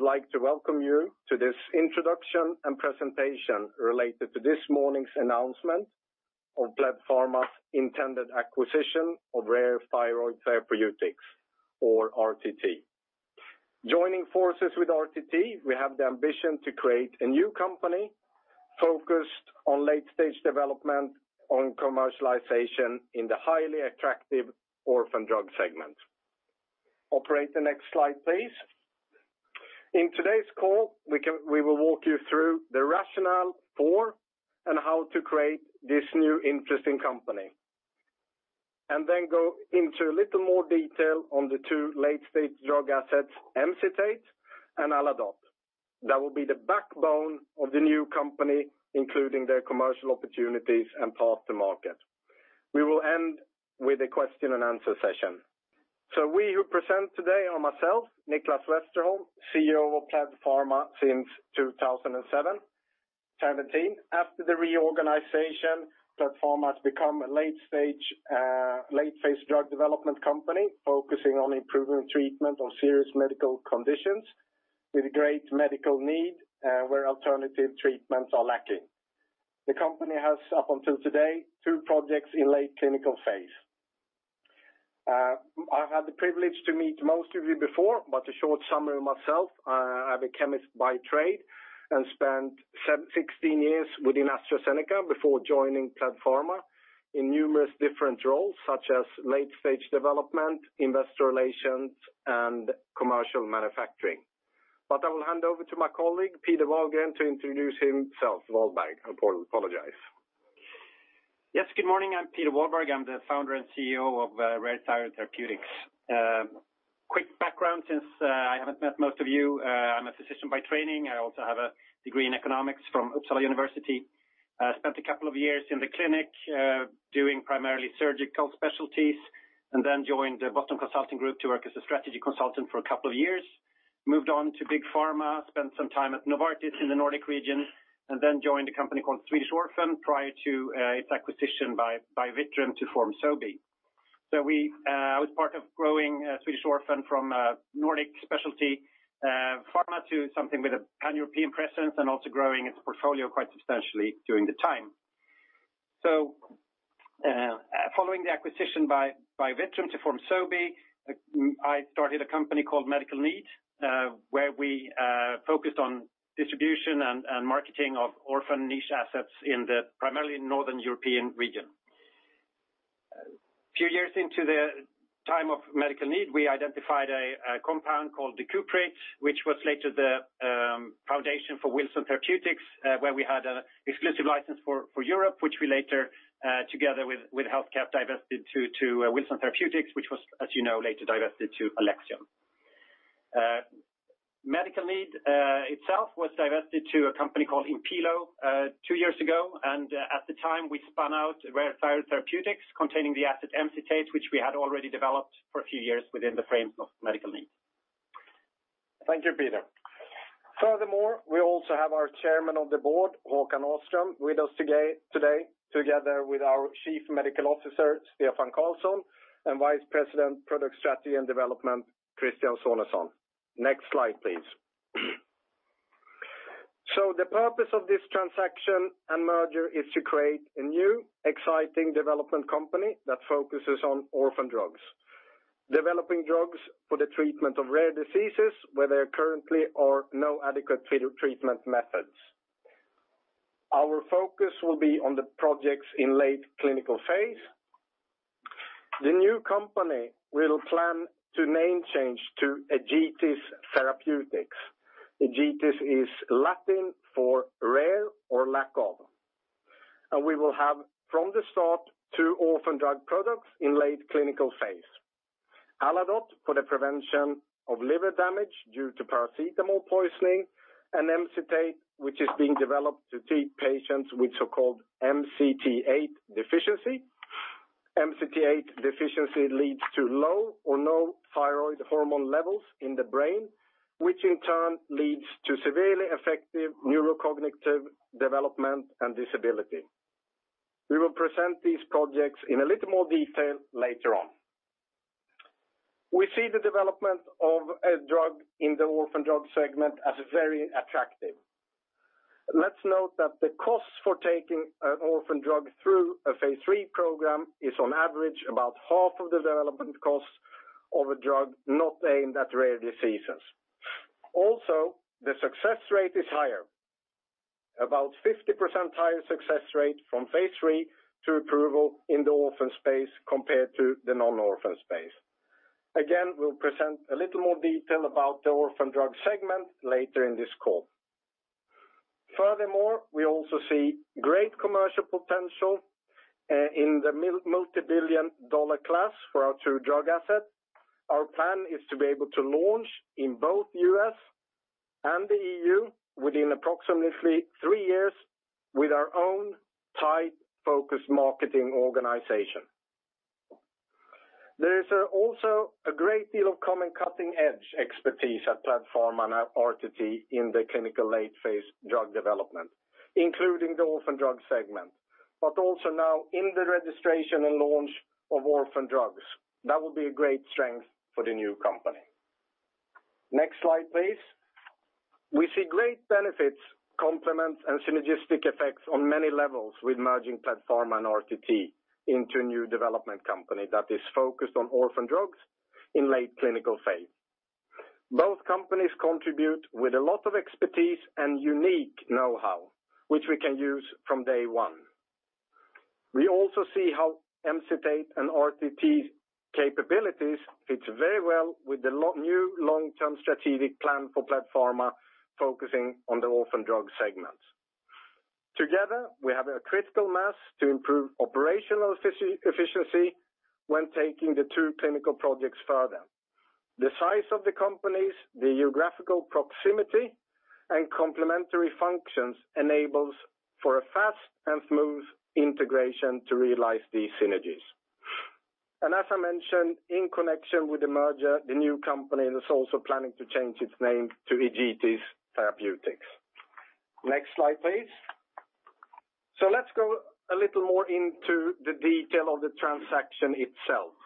Good morning, everyone. I would like to welcome you to this introduction and presentation related to this morning's announcement of PledPharma's intended acquisition of Rare Thyroid Therapeutics, or RTT. Joining forces with RTT, we have the ambition to create a new company focused on late-stage development and commercialization in the highly attractive orphan drug segment. Operator the next slide, please. In today's call, we will walk you through the rationale for and how to create this new interesting company, and then go into a little more detail on the two late-stage drug assets, Emcitate and Aladote. That will be the backbone of the new company, including their commercial opportunities and path to market. We will end with a question-and-answer session. We who present today are myself, Nicklas Westerholm, CEO of PledPharma since 2007. After the reorganization, PledPharma has become a late-phase drug development company focusing on improving treatment of serious medical conditions with great medical need where alternative treatments are lacking. The company has, up until today, two projects in late clinical phase. I've had the privilege to meet most of you before, but a short summary of myself. I'm a chemist by trade and spent 16 years within AstraZeneca before joining PledPharma in numerous different roles, such as late-stage development, investor relations, and commercial manufacturing. I will hand over to my colleague, Peder Walberg, to introduce himself. Walberg, I apologize. Yes, good morning. I'm Peder Walberg. I'm the Founder and CEO of Rare Thyroid Therapeutics. Quick background, since I haven't met most of you, I'm a physician by training. I also have a degree in Economics from Uppsala University. I spent a couple of years in the clinic doing primarily surgical specialties, and then joined the Boston Consulting Group to work as a strategy consultant for a couple of years. Moved on to Big Pharma, spent some time at Novartis in the Nordic region, and then joined a company called Swedish Orphan prior to its acquisition by Vifor Pharma to form Sobi. I was part of growing Swedish Orphan from a Nordic specialty pharma to something with a pan-European presence and also growing its portfolio quite substantially during the time. Following the acquisition by Vifor Pharma to form Sobi, I started a company called Medical Need, where we focused on distribution and marketing of orphan niche assets in the primarily northern European region. A few years into the time of Medical Need, we identified a compound called Decuprate, which was later the foundation for Wilson Therapeutics, where we had an exclusive license for Europe, which we later, together with HealthInvest Partners, divested to Wilson Therapeutics, which was, as you know, later divested to Alexion. Medical Need itself was divested to a company called Impilo two years ago, and at the time, we spun out Rare Thyroid Therapeutics containing the asset Emcitate, which we had already developed for a few years within the frames of Medical Need. Thank you, Peder. Furthermore, we also have our Chairman of the Board, Håkan Åström, with us today, together with our Chief Medical Officer, Stefan Carlsson, and Vice President, Product Strategy and Development, Christian Sonesson. Next slide, please. The purpose of this transaction and merger is to create a new, exciting development company that focuses on orphan drugs, developing drugs for the treatment of rare diseases where there currently are no adequate treatment methods. Our focus will be on the projects in late clinical phase. The new company will plan to name change to Egetis Therapeutics. Egetis is Latin for rare or lack of. We will have, from the start, two orphan drug products in late clinical phase: Aladote for the prevention of liver damage due to paracetamol poisoning, and Emcitate, which is being developed to treat patients with so-called MCT8 deficiency. MCT8 deficiency leads to low or no thyroid hormone levels in the brain, which in turn leads to severely affected neurocognitive development and disability. We will present these projects in a little more detail later on. We see the development of a drug in the orphan drug segment as very attractive. Let's note that the cost for taking an orphan drug through a phase III program is, on average, about half of the development cost of a drug not aimed at rare diseases. Also, the success rate is higher, about 50% higher success rate from phase III to approval in the orphan space compared to the non-orphan space. Again, we'll present a little more detail about the orphan drug segment later in this call. Furthermore, we also see great commercial potential in the multibillion dollar class for our two drug assets. Our plan is to be able to launch in both the U.S. and the EU within approximately three years with our own tight-focused marketing organization. There is also a great deal of common cutting-edge expertise at PledPharma and RTT in the clinical late-phase drug development, including the orphan drug segment, but also now in the registration and launch of orphan drugs. That will be a great strength for the new company. Next slide, please. We see great benefits, complements, and synergistic effects on many levels with merging PledPharma and RTT into a new development company that is focused on orphan drugs in late clinical phase. Both companies contribute with a lot of expertise and unique know-how, which we can use from day one. We also see how Emcitate and RTT's capabilities fit very well with the new long-term strategic plan for PledPharma focusing on the orphan drug segments. Together, we have a critical mass to improve operational efficiency when taking the two clinical projects further. The size of the companies, the geographical proximity, and complementary functions enable for a fast and smooth integration to realize these synergies. As I mentioned, in connection with the merger, the new company is also planning to change its name to Egetis Therapeutics. Next slide, please. Let's go a little more into the detail of the transaction itself.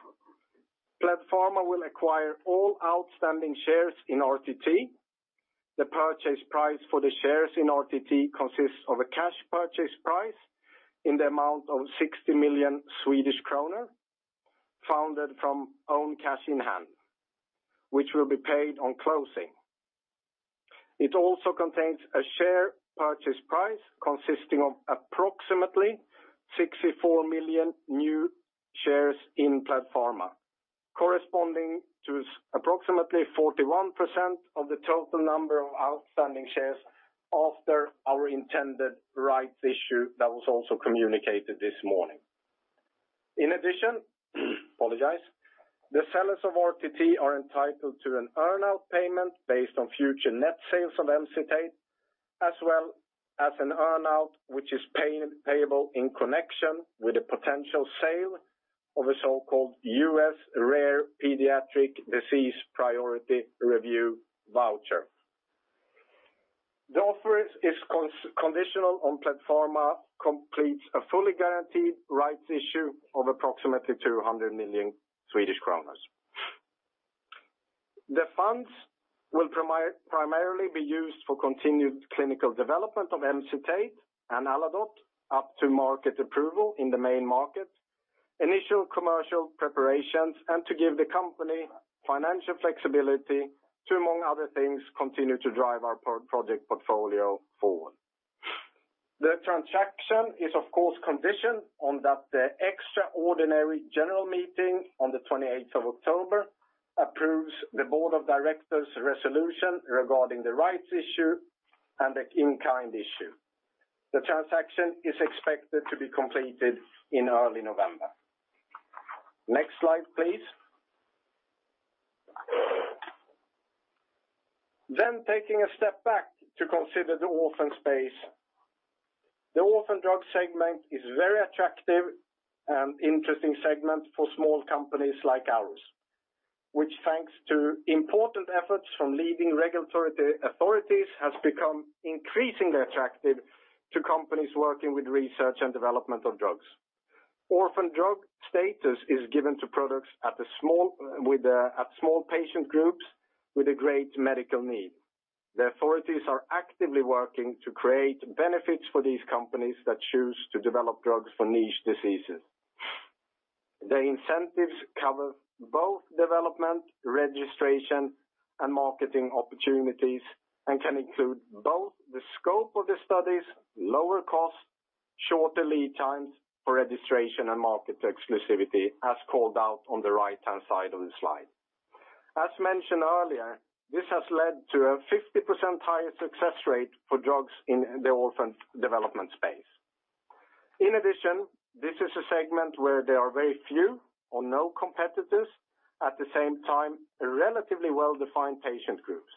PledPharma will acquire all outstanding shares in RTT. The purchase price for the shares in RTT consists of a cash purchase price in the amount of 60 million Swedish kronor, funded from own cash in hand, which will be paid on closing. It also contains a share purchase price consisting of approximately 64 million new shares in PledPharma, corresponding to approximately 41% of the total number of outstanding shares after our intended rights issue that was also communicated this morning. In addition, the sellers of Rare Thyroid Therapeutics are entitled to an earnout payment based on future net sales of Emcitate, as well as an earnout which is payable in connection with a potential sale of a so-called U.S. Rare Pediatric Disease Priority Review voucher. The offer is conditional on PledPharma completing a fully guaranteed rights issue of approximately 200 million. The funds will primarily be used for continued clinical development of Emcitate and Aladote up to market approval in the main market, initial commercial preparations, and to give the company financial flexibility to, among other things, continue to drive our project portfolio forward. The transaction is, of course, conditioned on that the extraordinary general meeting on the 28th of October approves the board of directors' resolution regarding the rights issue and the in-kind issue. The transaction is expected to be completed in early November. Next slide, please. Taking a step back to consider the orphan space, the orphan drug segment is a very attractive and interesting segment for small companies like ours, which, thanks to important efforts from leading regulatory authorities, has become increasingly attractive to companies working with research and development of drugs. Orphan drug status is given to products with small patient groups with a great medical need. The authorities are actively working to create benefits for these companies that choose to develop drugs for niche diseases. The incentives cover both development, registration, and marketing opportunities and can include both the scope of the studies, lower cost, shorter lead times for registration and market exclusivity, as called out on the right-hand side of the slide. As mentioned earlier, this has led to a 50% higher success rate for drugs in the orphan development space. In addition, this is a segment where there are very few or no competitors, at the same time, relatively well-defined patient groups.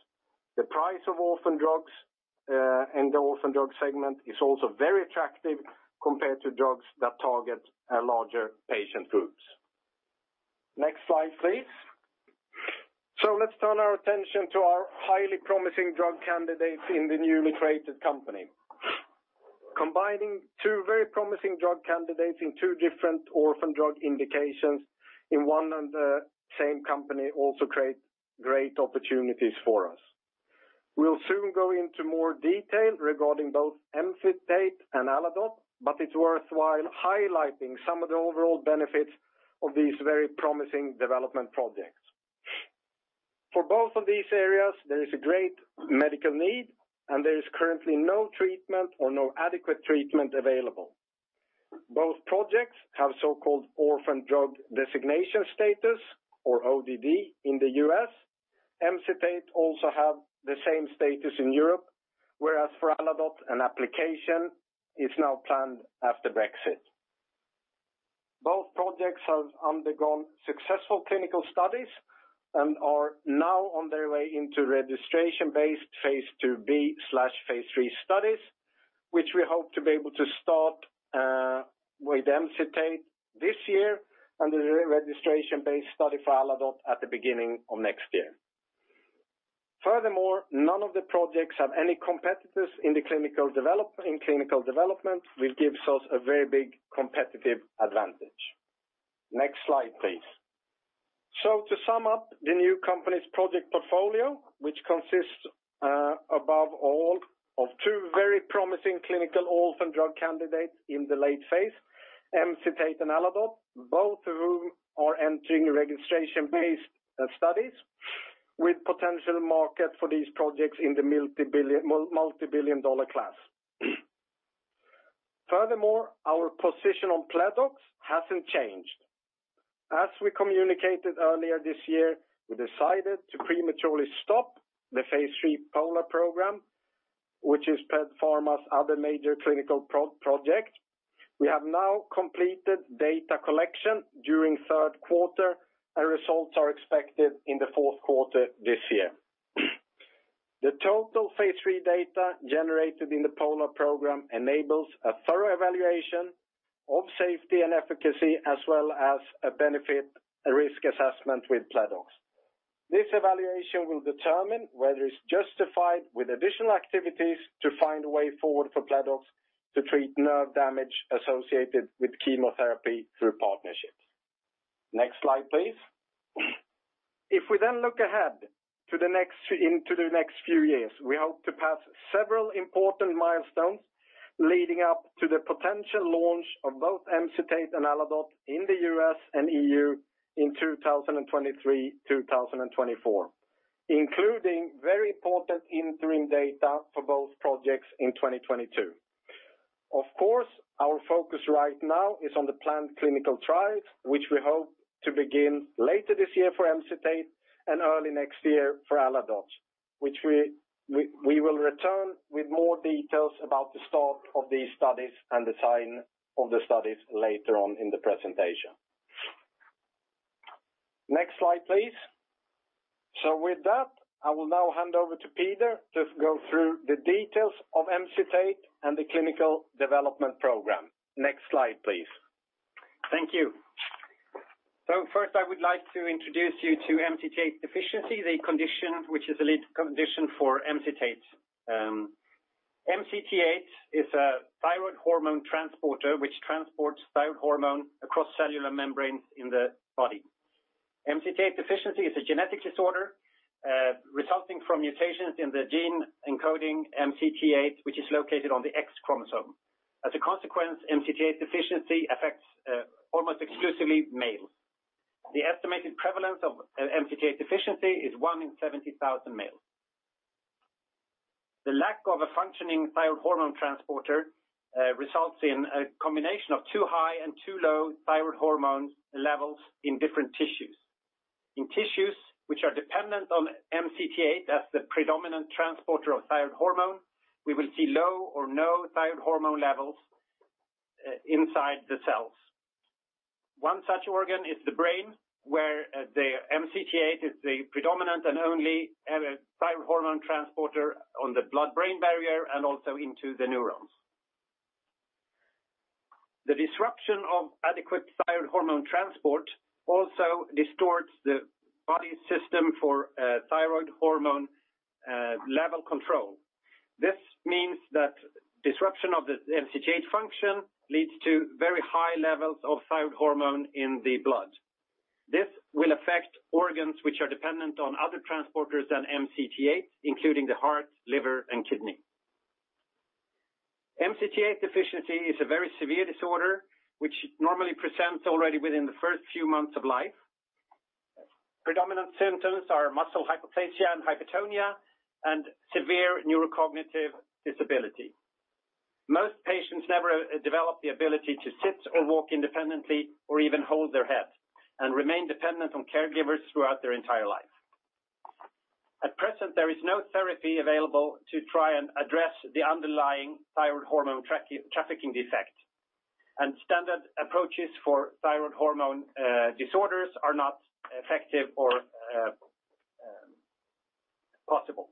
The price of orphan drugs in the orphan drug segment is also very attractive compared to drugs that target larger patient groups. Next slide, please. Let us turn our attention to our highly promising drug candidates in the newly created company. Combining two very promising drug candidates in two different orphan drug indications in one and the same company also creates great opportunities for us. We'll soon go into more detail regarding both Emcitate and Aladote, but it's worthwhile highlighting some of the overall benefits of these very promising development projects. For both of these areas, there is a great medical need, and there is currently no treatment or no adequate treatment available. Both projects have so-called orphan drug designation status, or ODD, in the U.S. Emcitate also has the same status in Europe, whereas for Aladote, an application is now planned after Brexit. Both projects have undergone successful clinical studies and are now on their way into registration-based phase II-B/phase III studies, which we hope to be able to start with Emcitate this year and the registration-based study for Aladote at the beginning of next year. Furthermore, none of the projects have any competitors in clinical development, which gives us a very big competitive advantage. Next slide, please. To sum up the new company's project portfolio, which consists above all of two very promising clinical orphan drug candidates in the late phase, Emcitate and Aladote, both of which are entering registration-based studies with potential market for these projects in the multibillion dollar class. Furthermore, our position on PledOx has not changed. As we communicated earlier this year, we decided to prematurely stop the phase III POLAR program, which is PledPharma's other major clinical project. We have now completed data collection during the third quarter, and results are expected in the fourth quarter this year. The total phase III data generated in the POLAR program enables a thorough evaluation of safety and efficacy, as well as a benefit risk assessment with PledOx. This evaluation will determine whether it is justified with additional activities to find a way forward for PledOx to treat nerve damage associated with chemotherapy through partnerships. Next slide, please. If we then look ahead to the next few years, we hope to pass several important milestones leading up to the potential launch of both Emcitate and Aladote in the U.S. and EU in 2023-2024, including very important interim data for both projects in 2022. Of course, our focus right now is on the planned clinical trials, which we hope to begin later this year for Emcitate and early next year for Aladote, which we will return with more details about the start of these studies and the time of the studies later on in the presentation. Next slide, please. With that, I will now hand over to Peder to go through the details of Emcitate and the clinical development program. Next slide, please. Thank you. First, I would like to introduce you to MCT8 deficiency, the condition which is a lead condition for Emcitate. MCT8 is a thyroid hormone transporter which transports thyroid hormone across cellular membranes in the body. MCT8 deficiency is a genetic disorder resulting from mutations in the gene encoding MCT8, which is located on the X chromosome. As a consequence, MCT8 deficiency affects almost exclusively males. The estimated prevalence of MCT8 deficiency is one in 70,000 males. The lack of a functioning thyroid hormone transporter results in a combination of too high and too low thyroid hormone levels in different tissues. In tissues which are dependent on MCT8 as the predominant transporter of thyroid hormone, we will see low or no thyroid hormone levels inside the cells. One such organ is the brain, where the MCT8 is the predominant and only thyroid hormone transporter on the blood-brain barrier and also into the neurons. The disruption of adequate thyroid hormone transport also distorts the body's system for thyroid hormone level control. This means that disruption of the MCT8 function leads to very high levels of thyroid hormone in the blood. This will affect organs which are dependent on other transporters than MCT8, including the heart, liver, and kidney. MCT8 deficiency is a very severe disorder which normally presents already within the first few months of life. Predominant symptoms are muscle hypoplasia and hypotonia and severe neurocognitive disability. Most patients never develop the ability to sit or walk independently or even hold their head and remain dependent on caregivers throughout their entire life. At present, there is no therapy available to try and address the underlying thyroid hormone trafficking defect, and standard approaches for thyroid hormone disorders are not effective or possible.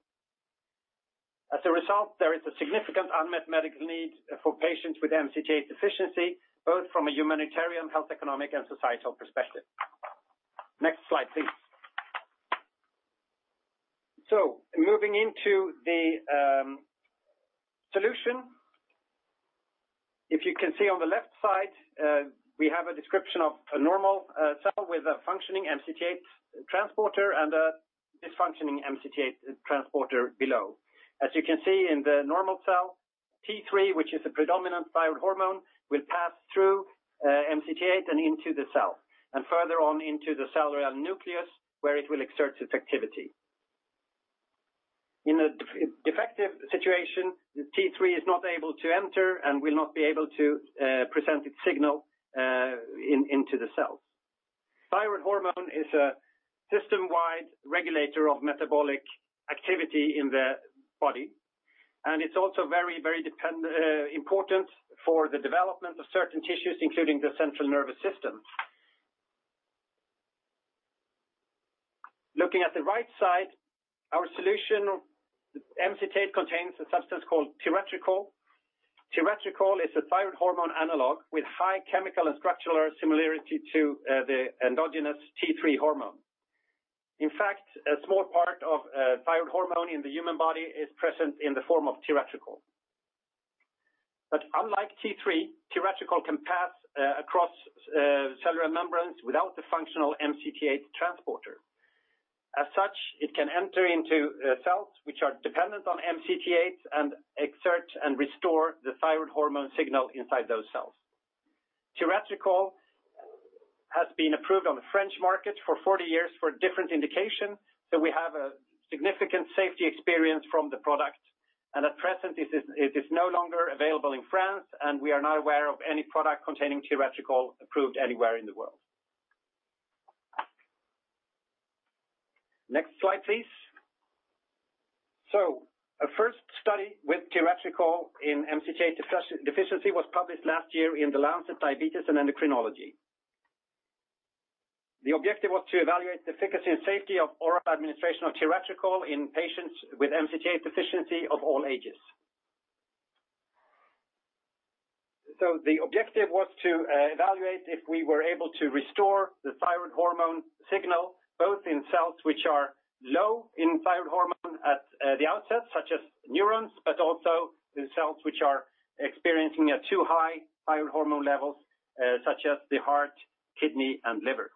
As a result, there is a significant unmet medical need for patients with MCT8 deficiency, both from a humanitarian, health economic, and societal perspective. Next slide, please. Moving into the solution, if you can see on the left side, we have a description of a normal cell with a functioning MCT8 transporter and a dysfunctioning MCT8 transporter below. As you can see in the normal cell, T3, which is a predominant thyroid hormone, will pass through MCT8 and into the cell and further on into the cell nucleus, where it will exert its activity. In a defective situation, T3 is not able to enter and will not be able to present its signal into the cell. Thyroid hormone is a system-wide regulator of metabolic activity in the body, and it's also very, very important for the development of certain tissues, including the central nervous system. Looking at the right side, our solution, Emcitate, contains a substance called tiratricol. Tiratricol is a thyroid hormone analog with high chemical and structural similarity to the endogenous T3 hormone. In fact, a small part of thyroid hormone in the human body is present in the form of tiratricol. Unlike T3, tiratricol can pass across cellular membranes without the functional MCT8 transporter. As such, it can enter into cells which are dependent on MCT8 and exert and restore the thyroid hormone signal inside those cells. Tiratricol has been approved on the French market for 40 years for a different indication, so we have a significant safety experience from the product. At present, it is no longer available in France, and we are not aware of any product containing tiratricol approved anywhere in the world. Next slide, please. A first study with tiratricol in MCT8 deficiency was published last year in The Lancet Diabetes & Endocrinology. The objective was to evaluate the efficacy and safety of oral administration of tiratricol in patients with MCT8 deficiency of all ages. The objective was to evaluate if we were able to restore the thyroid hormone signal both in cells which are low in thyroid hormone at the outset, such as neurons, but also in cells which are experiencing too high thyroid hormone levels, such as the heart, kidney, and liver.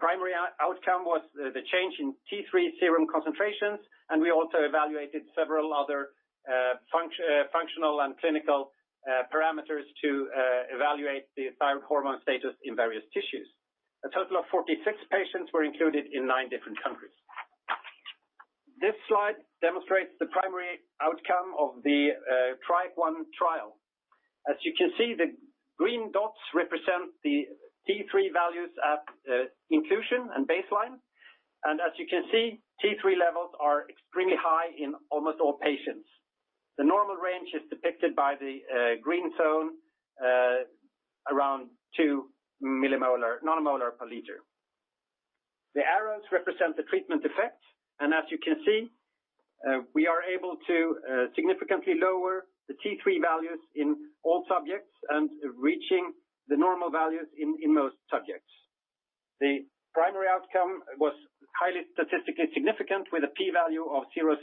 Primary outcome was the change in T3 serum concentrations, and we also evaluated several other functional and clinical parameters to evaluate the thyroid hormone status in various tissues. A total of 46 patients were included in nine different countries. This slide demonstrates the primary outcome of the Triac I trial. As you can see, the green dots represent the T3 values at inclusion and baseline. As you can see, T3 levels are extremely high in almost all patients. The normal range is depicted by the green zone around 2 nanomolar per liter. The arrows represent the treatment effect, and as you can see, we are able to significantly lower the T3 values in all subjects and reaching the normal values in most subjects. The primary outcome was highly statistically significant with a p-value of 0.001.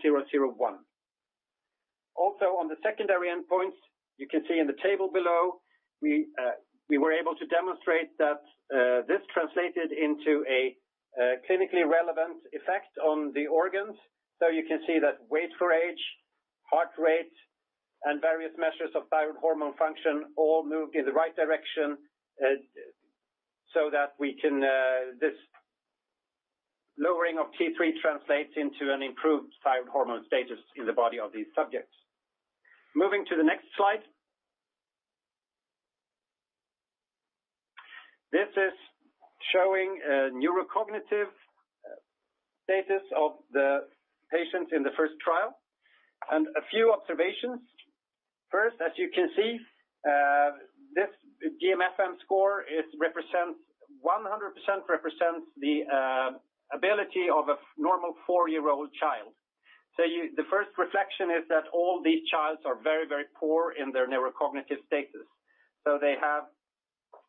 Also, on the secondary endpoints, you can see in the table below, we were able to demonstrate that this translated into a clinically relevant effect on the organs. You can see that weight for age, heart rate, and various measures of thyroid hormone function all moved in the right direction so that we can see this lowering of T3 translates into an improved thyroid hormone status in the body of these subjects. Moving to the next slide. This is showing a neurocognitive status of the patients in the first trial and a few observations. First, as you can see, this GMFM score represents 100% represents the ability of a normal four-year-old child. The first reflection is that all these children are very, very poor in their neurocognitive status. They have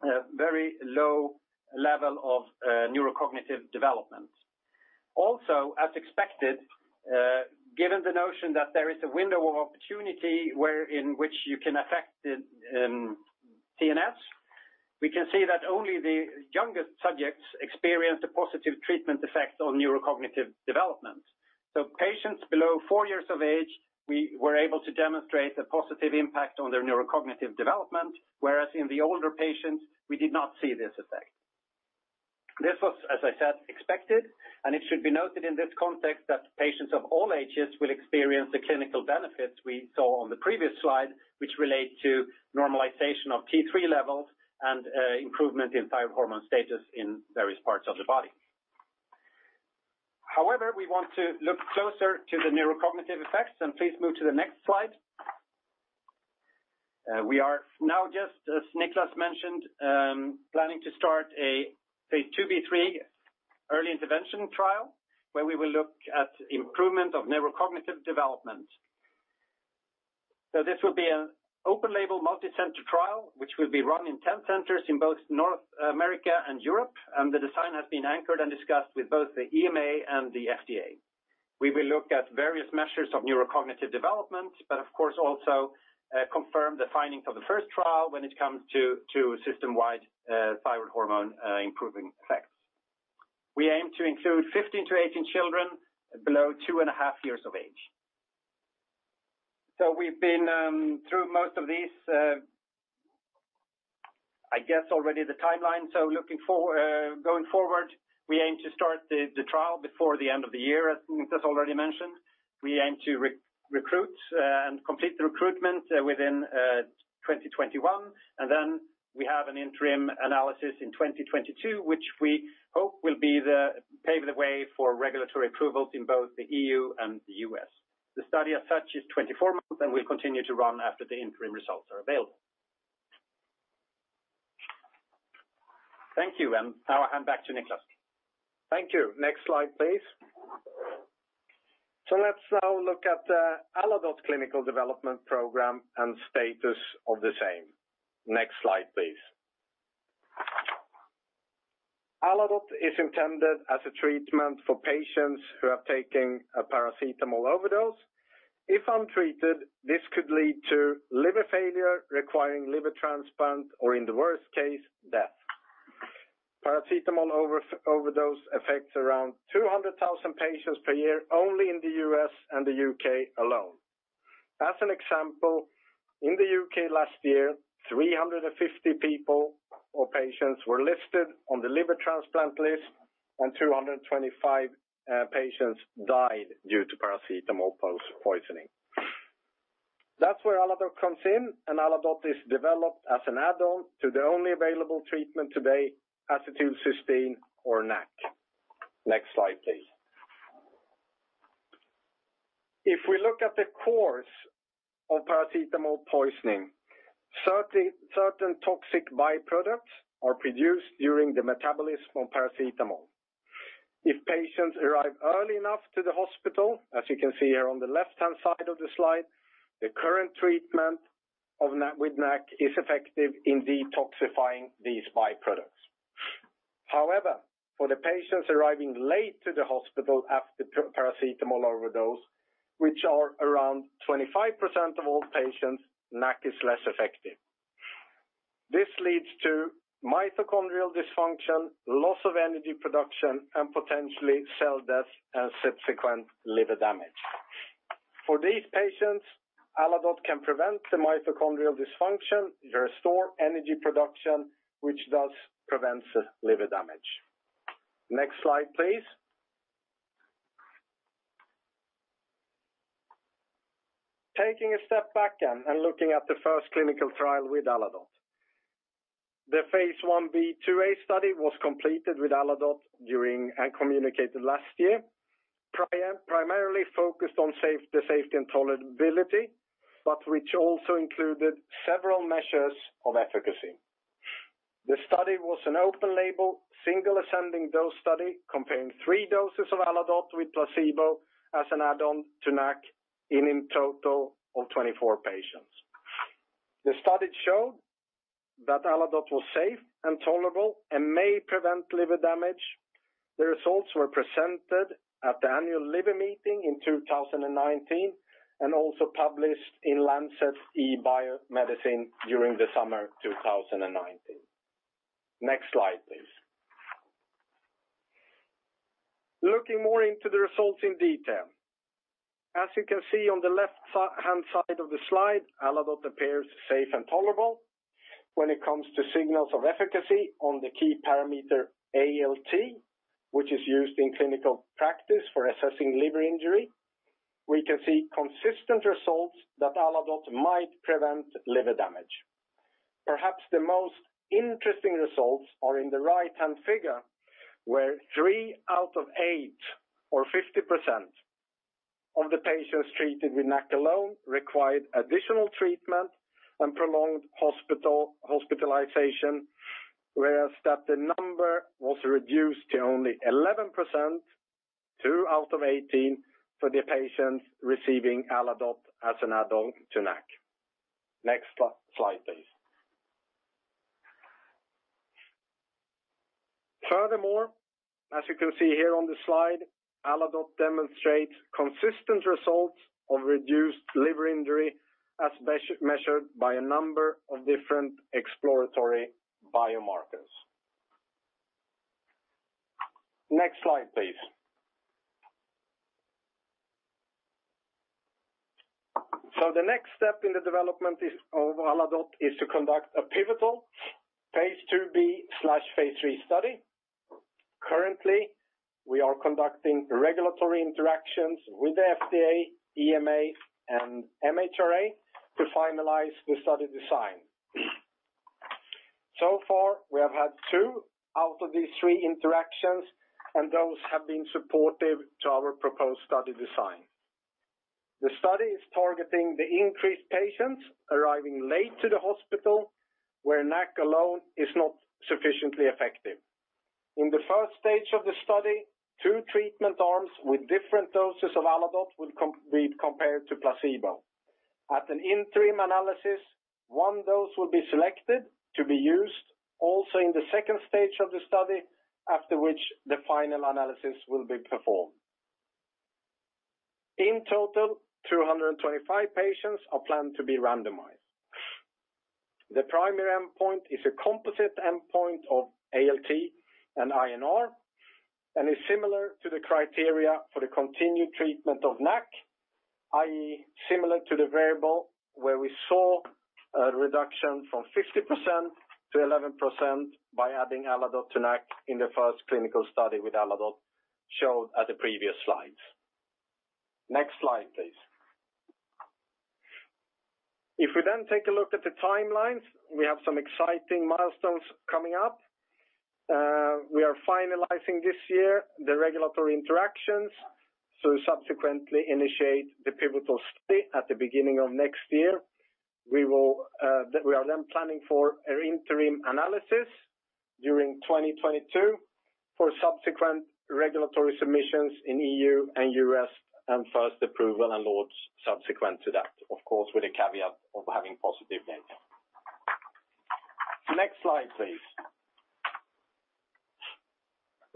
a very low level of neurocognitive development. Also, as expected, given the notion that there is a window of opportunity in which you can affect the TNS, we can see that only the youngest subjects experienced a positive treatment effect on neurocognitive development. Patients below four years of age, we were able to demonstrate a positive impact on their neurocognitive development, whereas in the older patients, we did not see this effect. This was, as I said, expected, and it should be noted in this context that patients of all ages will experience the clinical benefits we saw on the previous slide, which relate to normalization of T3 levels and improvement in thyroid hormone status in various parts of the body. However, we want to look closer to the neurocognitive effects, and please move to the next slide. We are now just, as Nicklas mentioned, planning to start a phase II-B/III early intervention trial where we will look at improvement of neurocognitive development. This will be an open-label multicenter trial, which will be run in 10 centers in both North America and Europe, and the design has been anchored and discussed with both the EMA and the FDA. We will look at various measures of neurocognitive development, but of course, also confirm the findings of the first trial when it comes to system-wide thyroid hormone improving effects. We aim to include 15-18 children below two and a half years of age. We have been through most of these, I guess, already the timeline. Looking forward, going forward, we aim to start the trial before the end of the year, as Nicklas already mentioned. We aim to recruit and complete the recruitment within 2021, and then we have an interim analysis in 2022, which we hope will pave the way for regulatory approvals in both the EU and the U.S. The study as such is 24 months, and we will continue to run after the interim results are available. Thank you, and now I'll hand back to Nicklas. Thank you. Next slide, please. Let's now look at the Aladote clinical development program and status of the same. Next slide, please. Aladote is intended as a treatment for patients who are taking a paracetamol overdose. If untreated, this could lead to liver failure requiring liver transplant or, in the worst case, death. Paracetamol overdose affects around 200,000 patients per year in the U.S. and the U.K. alone. As an example, in the U.K. last year, 350 people or patients were listed on the liver transplant list, and 225 patients died due to paracetamol poisoning. That's where Aladote comes in, and Aladote is developed as an add-on to the only available treatment today, acetylcysteine or NAC. Next slide, please. If we look at the course of paracetamol poisoning, certain toxic byproducts are produced during the metabolism of paracetamol. If patients arrive early enough to the hospital, as you can see here on the left-hand side of the slide, the current treatment with NAC is effective in detoxifying these byproducts. However, for the patients arriving late to the hospital after paracetamol overdose, which are around 25% of all patients, NAC is less effective. This leads to mitochondrial dysfunction, loss of energy production, and potentially cell death and subsequent liver damage. For these patients, Aladote can prevent the mitochondrial dysfunction, restore energy production, which thus prevents liver damage. Next slide, please. Taking a step back and looking at the first clinical trial with Aladote, the phase I-B/II-A study was completed with Aladote during and communicated last year, primarily focused on the safety and tolerability, but which also included several measures of efficacy. The study was an open-label single-ascending dose study comparing three doses of Aladote with placebo as an add-on to NAC in a total of 24 patients. The study showed that Aladote was safe and tolerable and may prevent liver damage. The results were presented at the annual liver meeting in 2019 and also published in Lancet eBioMedicine during the summer 2019. Next slide, please. Looking more into the results in detail, as you can see on the left-hand side of the slide, Aladote appears safe and tolerable. When it comes to signals of efficacy on the key parameter ALT, which is used in clinical practice for assessing liver injury, we can see consistent results that Aladote might prevent liver damage. Perhaps the most interesting results are in the right-hand figure, where 3 out of 8 or 50% of the patients treated with NAC alone required additional treatment and prolonged hospitalization, whereas the number was reduced to only 11%, 2 out of 18, for the patients receiving Aladote as an add-on to NAC. Next slide, please. Furthermore, as you can see here on the slide, Aladote demonstrates consistent results of reduced liver injury as measured by a number of different exploratory biomarkers. Next slide, please. The next step in the development of Aladote is to conduct a pivotal phase II-B/phase III study. Currently, we are conducting regulatory interactions with the FDA, EMA, and MHRA to finalize the study design. So far, we have had two out of these three interactions, and those have been supportive to our proposed study design. The study is targeting the increased patients arriving late to the hospital where NAC alone is not sufficiently effective. In the first stage of the study, two treatment arms with different doses of Aladote will be compared to placebo. At an interim analysis, one dose will be selected to be used also in the second stage of the study, after which the final analysis will be performed. In total, 225 patients are planned to be randomized. The primary endpoint is a composite endpoint of ALT and INR and is similar to the criteria for the continued treatment of NAC, i.e., similar to the variable where we saw a reduction from 50%-11% by adding Aladote to NAC in the first clinical study with Aladote showed at the previous slides. Next slide, please. If we then take a look at the timelines, we have some exciting milestones coming up. We are finalizing this year the regulatory interactions to subsequently initiate the pivotal study at the beginning of next year. We are then planning for an interim analysis during 2022 for subsequent regulatory submissions in EU and U.S. and first approval and law subsequent to that, of course, with a caveat of having positive data. Next slide, please.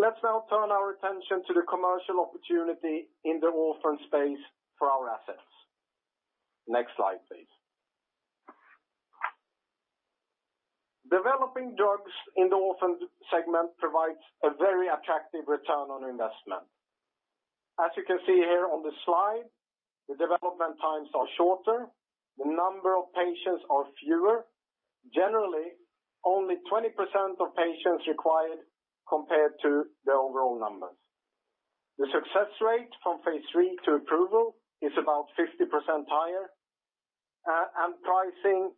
Let's now turn our attention to the commercial opportunity in the orphan space for our assets. Next slide, please. Developing drugs in the orphan segment provides a very attractive return on investment. As you can see here on the slide, the development times are shorter. The number of patients are fewer. Generally, only 20% of patients required compared to the overall numbers. The success rate from phase III to approval is about 50% higher, and pricing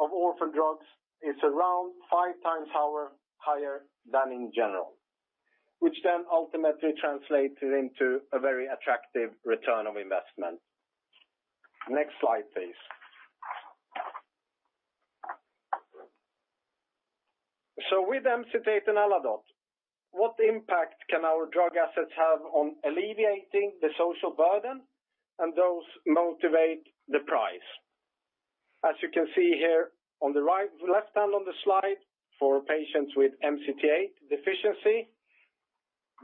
of orphan drugs is around five times higher than in general, which then ultimately translates into a very attractive return on investment. Next slide, please. With Emcitate and Aladote, what impact can our drug assets have on alleviating the social burden and thus motivate the price? As you can see here on the left-hand on the slide for patients with MCT8 deficiency,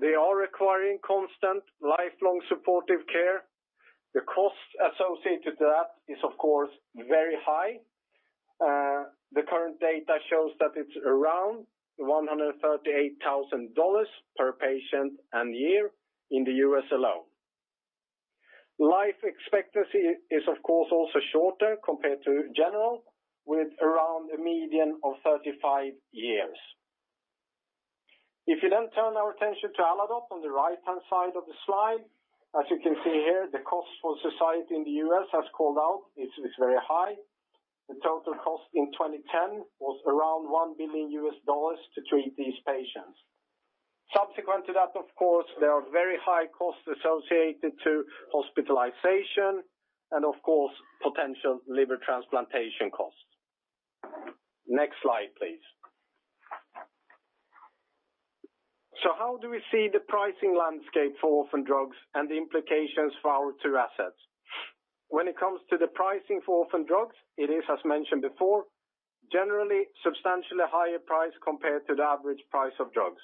they are requiring constant lifelong supportive care. The cost associated with that is, of course, very high. The current data shows that it's around $138,000 per patient and year in the U.S. alone. Life expectancy is, of course, also shorter compared to general, with around a median of 35 years. If you then turn our attention to Aladote on the right-hand side of the slide, as you can see here, the cost for society in the U.S., as called out, is very high. The total cost in 2010 was around $1 billion to treat these patients. Subsequent to that, of course, there are very high costs associated with hospitalization and, of course, potential liver transplantation costs. Next slide, please. How do we see the pricing landscape for orphan drugs and the implications for our two assets? When it comes to the pricing for orphan drugs, it is, as mentioned before, generally substantially higher price compared to the average price of drugs.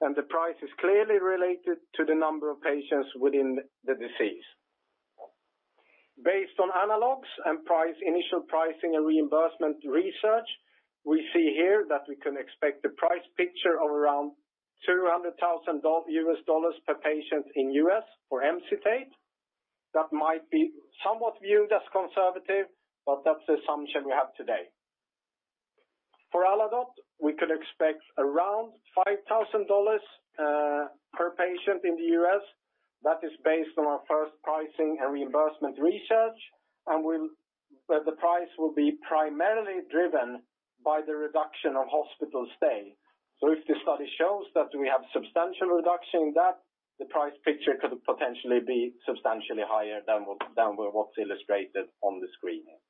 The price is clearly related to the number of patients within the disease. Based on analogues and price initial pricing and reimbursement research, we see here that we can expect a price picture of around $200,000 per patient in the U.S. for Emcitate. That might be somewhat viewed as conservative, but that's the assumption we have today. For Aladote, we could expect around $5,000 per patient in the U.S. That is based on our first pricing and reimbursement research, and the price will be primarily driven by the reduction of hospital stay. If the study shows that we have substantial reduction in that, the price picture could potentially be substantially higher than what's illustrated on the screen here.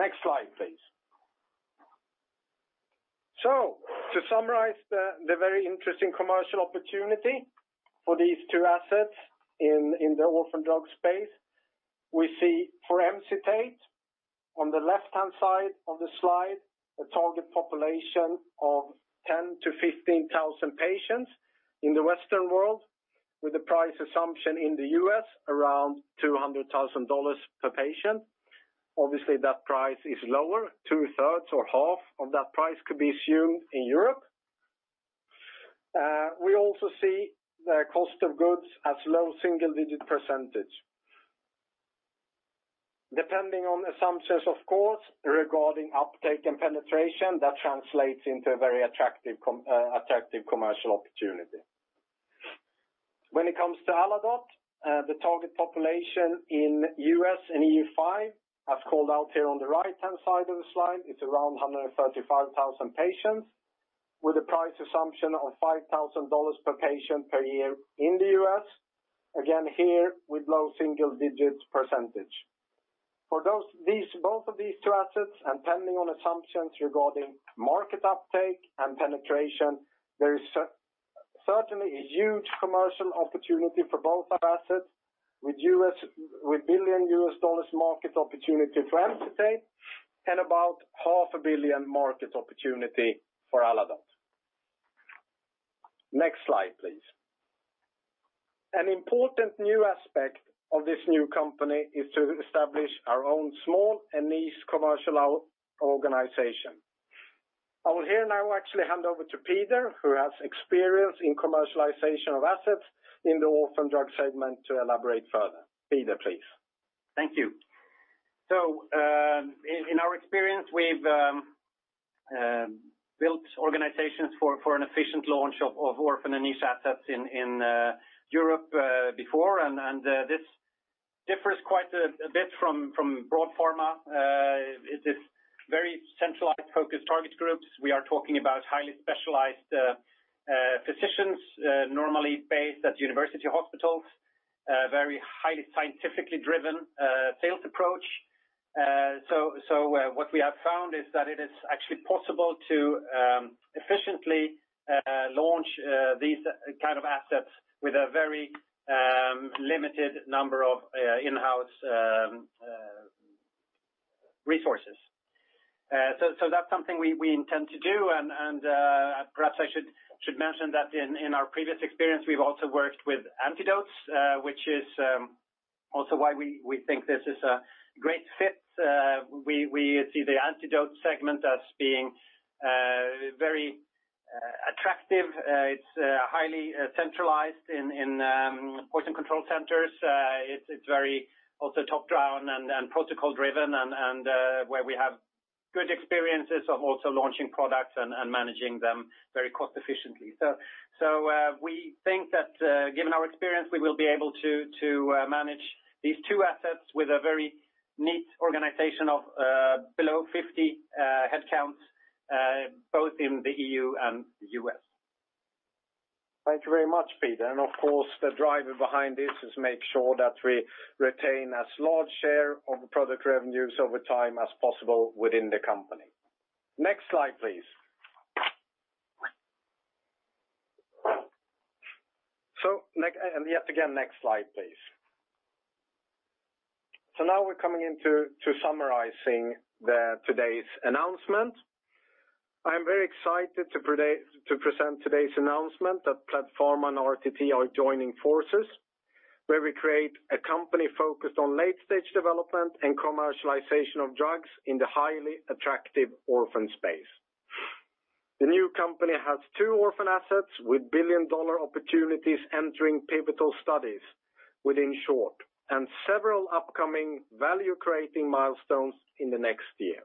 Next slide, please. To summarize the very interesting commercial opportunity for these two assets in the orphan drug space, we see for Emcitate, on the left-hand side of the slide, a target population of 10,000-15,000 patients in the Western world, with the price assumption in the U.S. around $200,000 per patient. Obviously, that price is lower. Two-thirds or half of that price could be assumed in Europe. We also see the cost of goods as a low single-digit %. Depending on assumptions, of course, regarding uptake and penetration, that translates into a very attractive commercial opportunity. When it comes to Aladote, the target population in U.S. and EU5, as called out here on the right-hand side of the slide, is around 135,000 patients, with a price assumption of $5,000 per patient per year in the U.S.. Again, here with low single-digit %. For both of these two assets and pending on assumptions regarding market uptake and penetration, there is certainly a huge commercial opportunity for both assets, with billion U.S. dollars market opportunity for Emcitate and about $500,000,000 market opportunity for Aladote. Next slide, please. An important new aspect of this new company is to establish our own small and niche commercial organization. I will here now actually hand over to Peder, who has experience in commercialization of assets in the orphan drug segment, to elaborate further. Peder, please. Thank you. In our experience, we've built organizations for an efficient launch of orphan and niche assets in Europe before, and this differs quite a bit from broad pharma. It is very centralized focused target groups. We are talking about highly specialized physicians, normally based at university hospitals, a very highly scientifically driven sales approach. What we have found is that it is actually possible to efficiently launch these kinds of assets with a very limited number of in-house resources. That is something we intend to do. Perhaps I should mention that in our previous experience, we have also worked with Aladote, which is also why we think this is a great fit. We see the antidote segment as being very attractive. It is highly centralized in poison control centers. It is also very top-down and protocol-driven, and we have good experiences of also launching products and managing them very cost-efficiently. We think that given our experience, we will be able to manage these two assets with a very neat organization of below 50 headcounts, both in the EU and the U.S. Thank you very much, Peder. Of course, the driver behind this is to make sure that we retain as large a share of product revenues over time as possible within the company. Next slide, please. Yet again, next slide, please. Now we're coming into summarizing today's announcement. I am very excited to present today's announcement that PledPharma and RTT are joining forces, where we create a company focused on late-stage development and commercialization of drugs in the highly attractive orphan space. The new company has two orphan assets with billion-dollar opportunities entering pivotal studies within short and several upcoming value-creating milestones in the next year.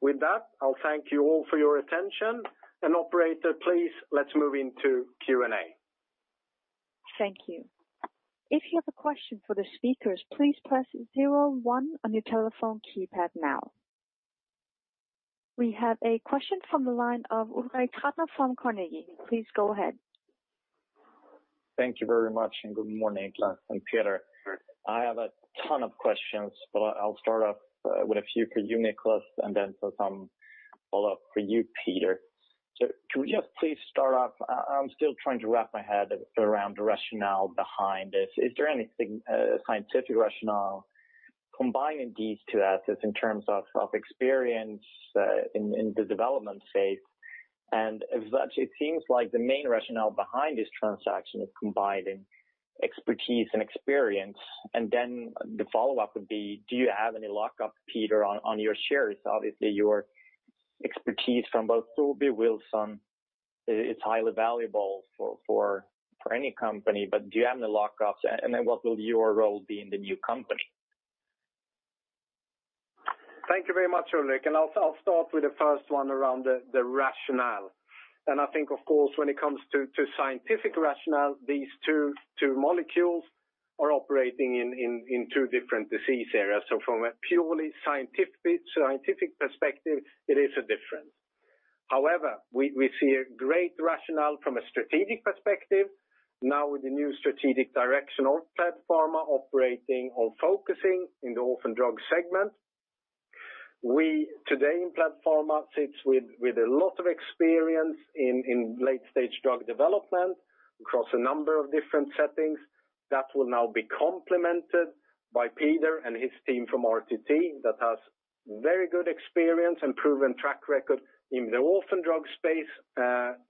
With that, I'll thank you all for your attention. Operator, please, let's move into Q&A. Thank you. If you have a question for the speakers, please press zero one on your telephone keypad now. We have a question from the line of Ulrik Trattner from Carnegie. Please go ahead. Thank you very much and good morning, Nicklas and Peder. I have a ton of questions, but I'll start off with a few for you, Nicklas, and then put some follow-up for you, Peder. Could we just please start off? I'm still trying to wrap my head around the rationale behind this. Is there any scientific rationale combining these two assets in terms of experience in the development phase? It seems like the main rationale behind this transaction is combining expertise and experience. The follow-up would be, do you have any lockup, Peder, on your shares? Obviously, your expertise from both Sobi and Wilson is highly valuable for any company, but do you have any lockups? What will your role be in the new company? Thank you very much, Ulrik. I'll start with the first one around the rationale. I think, of course, when it comes to scientific rationale, these two molecules are operating in two different disease areas. From a purely scientific perspective, it is a difference. However, we see a great rationale from a strategic perspective. Now, with the new strategic direction of Egetis Therapeutics operating or focusing in the orphan drug segment, we today in Egetis Therapeutics sit with a lot of experience in late-stage drug development across a number of different settings that will now be complemented by Peder and his team from Rare Thyroid Therapeutics that has very good experience and proven track record in the orphan drug space,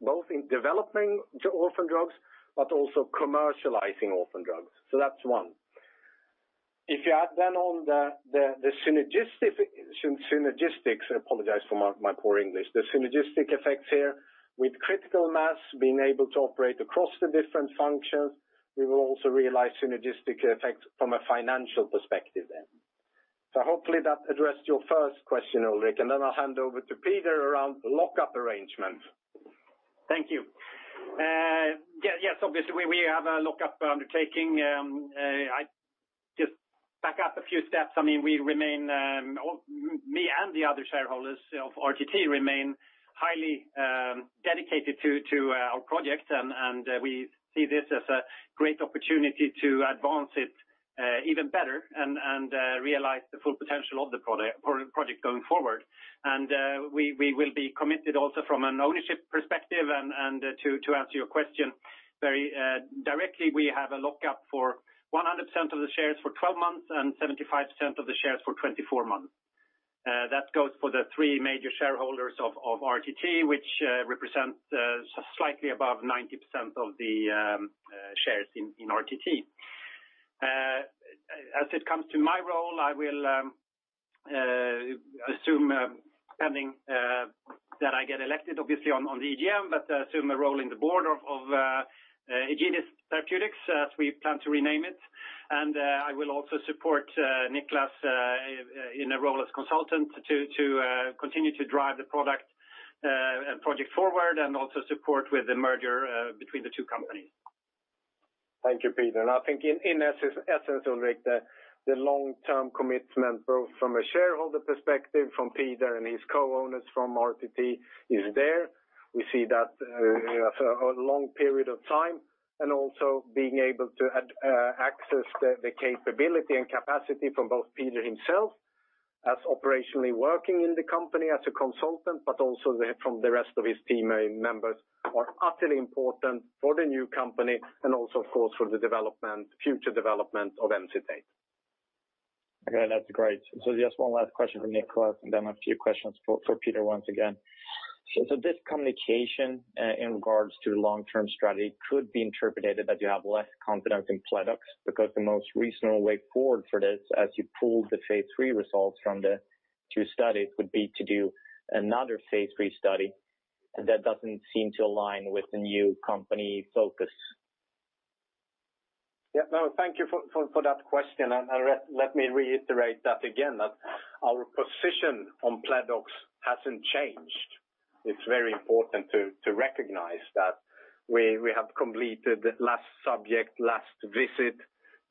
both in developing orphan drugs, but also commercializing orphan drugs. That is one. If you add then on the synergistics—apologize for my poor English—the synergistic effects here with critical mass being able to operate across the different functions, we will also realize synergistic effects from a financial perspective then. Hopefully that addressed your first question, Ulrik, and I will hand over to Peder around the lockup arrangement. Thank you. Yes, obviously, we have a lockup undertaking. Just back up a few steps. I mean, we remain—I mean, the other shareholders of RTT and I remain highly dedicated to our project, and we see this as a great opportunity to advance it even better and realize the full potential of the project going forward. We will be committed also from an ownership perspective. To answer your question very directly, we have a lockup for 100% of the shares for 12 months and 75% of the shares for 24 months. That goes for the three major shareholders of RTT, which represent slightly above 90% of the shares in RTT. As it comes to my role, I will assume, pending that I get elected, obviously, on the EGM, but assume a role in the board of Egetis Therapeutics as we plan to rename it. I will also support Nicklas in a role as consultant to continue to drive the product and project forward and also support with the merger between the two companies. Thank you, Peder. I think in essence, Ulrik, the long-term commitment both from a shareholder perspective, from Peder and his co-owners from RTT is there. We see that a long period of time and also being able to access the capability and capacity from both Peder himself as operationally working in the company as a consultant, but also from the rest of his team members are utterly important for the new company and also, of course, for the future development of Emcitate. That is great. Just one last question for Nicklas, and then a few questions for Peder once again. This communication in regards to the long-term strategy could be interpreted that you have less confidence in PledOx because the most reasonable way forward for this as you pull the phase III results from the two studies would be to do another phase III study that does not seem to align with the new company focus. Yeah, no, thank you for that question. Let me reiterate that again, that our position on PledOx hasn't changed. It's very important to recognize that we have completed last subject, last visit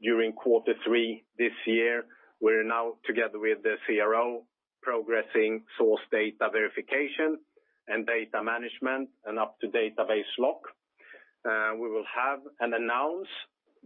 during quarter three this year. We are now together with the CRO, progressing source data verification and data management and up-to-date database lock. We will have and announce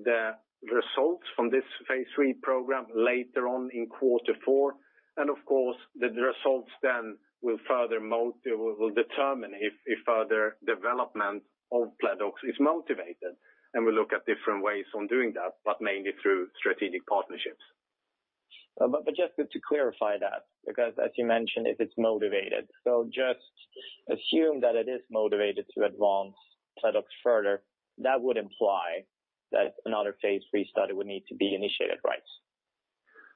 the results from this phase III program later on in quarter four. Of course, the results then will further determine if further development of PledOx is motivated. We will look at different ways on doing that, but mainly through strategic partnerships. Just to clarify that, because as you mentioned, if it's motivated, so just assume that it is motivated to advance PledOx further, that would imply that another phase III study would need to be initiated, right?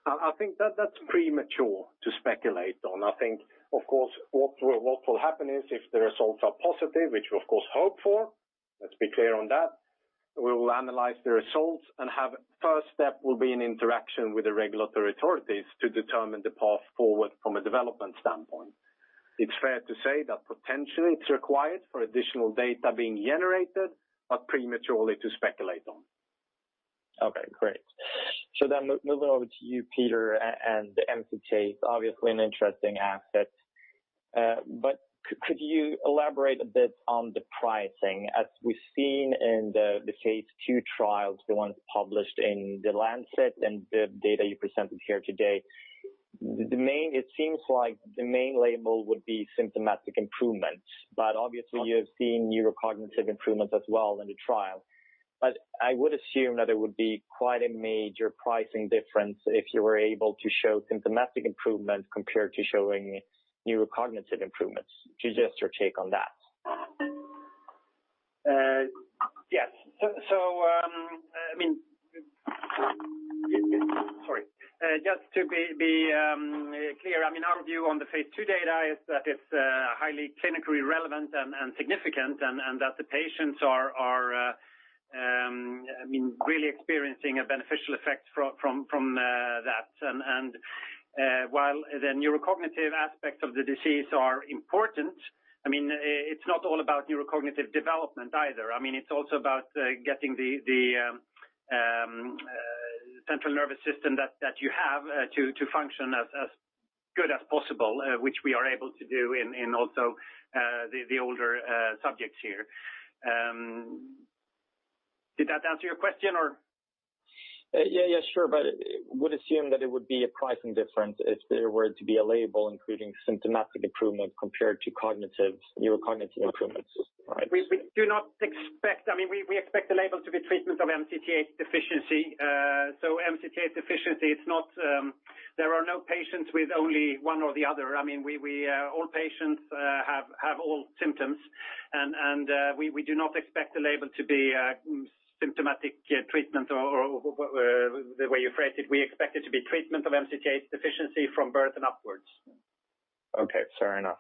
I think that's premature to speculate on. I think, of course, what will happen is if the results are positive, which we of course hope for, let's be clear on that, we will analyze the results and have first step will be an interaction with the regulatory authorities to determine the path forward from a development standpoint. It's fair to say that potentially it's required for additional data being generated, but prematurely to speculate on. Okay, great. Moving over to you, Peder, and Emcitate, obviously an interesting asset. Could you elaborate a bit on the pricing? As we've seen in the phase II trials, the ones published in The Lancet and the data you presented here today, it seems like the main label would be symptomatic improvements. Obviously, you have seen neurocognitive improvements as well in the trial. I would assume that it would be quite a major pricing difference if you were able to show symptomatic improvements compared to showing neurocognitive improvements. Just your take on that. Yes. I mean, sorry. Just to be clear, I mean, our view on the phase II data is that it's highly clinically relevant and significant and that the patients are really experiencing a beneficial effect from that. While the neurocognitive aspects of the disease are important, I mean, it's not all about neurocognitive development either. I mean, it's also about getting the central nervous system that you have to function as good as possible, which we are able to do in also the older subjects here. Did that answer your question or? Yeah, yeah, sure. I would assume that it would be a pricing difference if there were to be a label including symptomatic improvement compared to cognitive neurocognitive improvements, right? We do not expect—I mean, we expect the label to be treatment of MCT8 deficiency. So MCT8 deficiency, it's not—there are no patients with only one or the other. I mean, all patients have all symptoms. And we do not expect the label to be symptomatic treatment or the way you phrase it. We expect it to be treatment of MCT8 deficiency from birth and upwards. Okay, fair enough.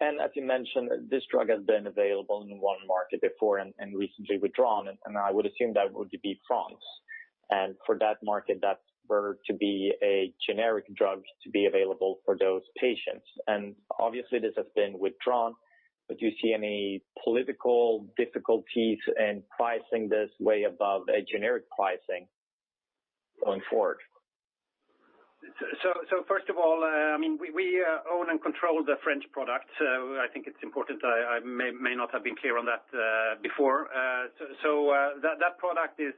As you mentioned, this drug has been available in one market before and recently withdrawn. I would assume that would be France. For that market, if there were to be a generic drug to be available for those patients. Obviously, this has been withdrawn. Do you see any political difficulties in pricing this way above a generic pricing going forward? First of all, I mean, we own and control the French product. I think it's important—I may not have been clear on that before. That product is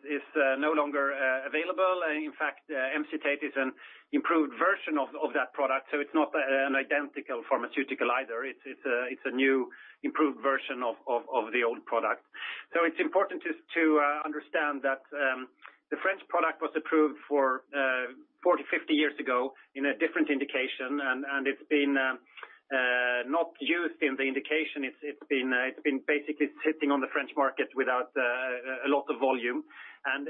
no longer available. In fact, Emcitate is an improved version of that product. It's not an identical pharmaceutical either. It's a new improved version of the old product. It's important to understand that the French product was approved 40-50 years ago in a different indication. It's been not used in the indication. It's been basically sitting on the French market without a lot of volume.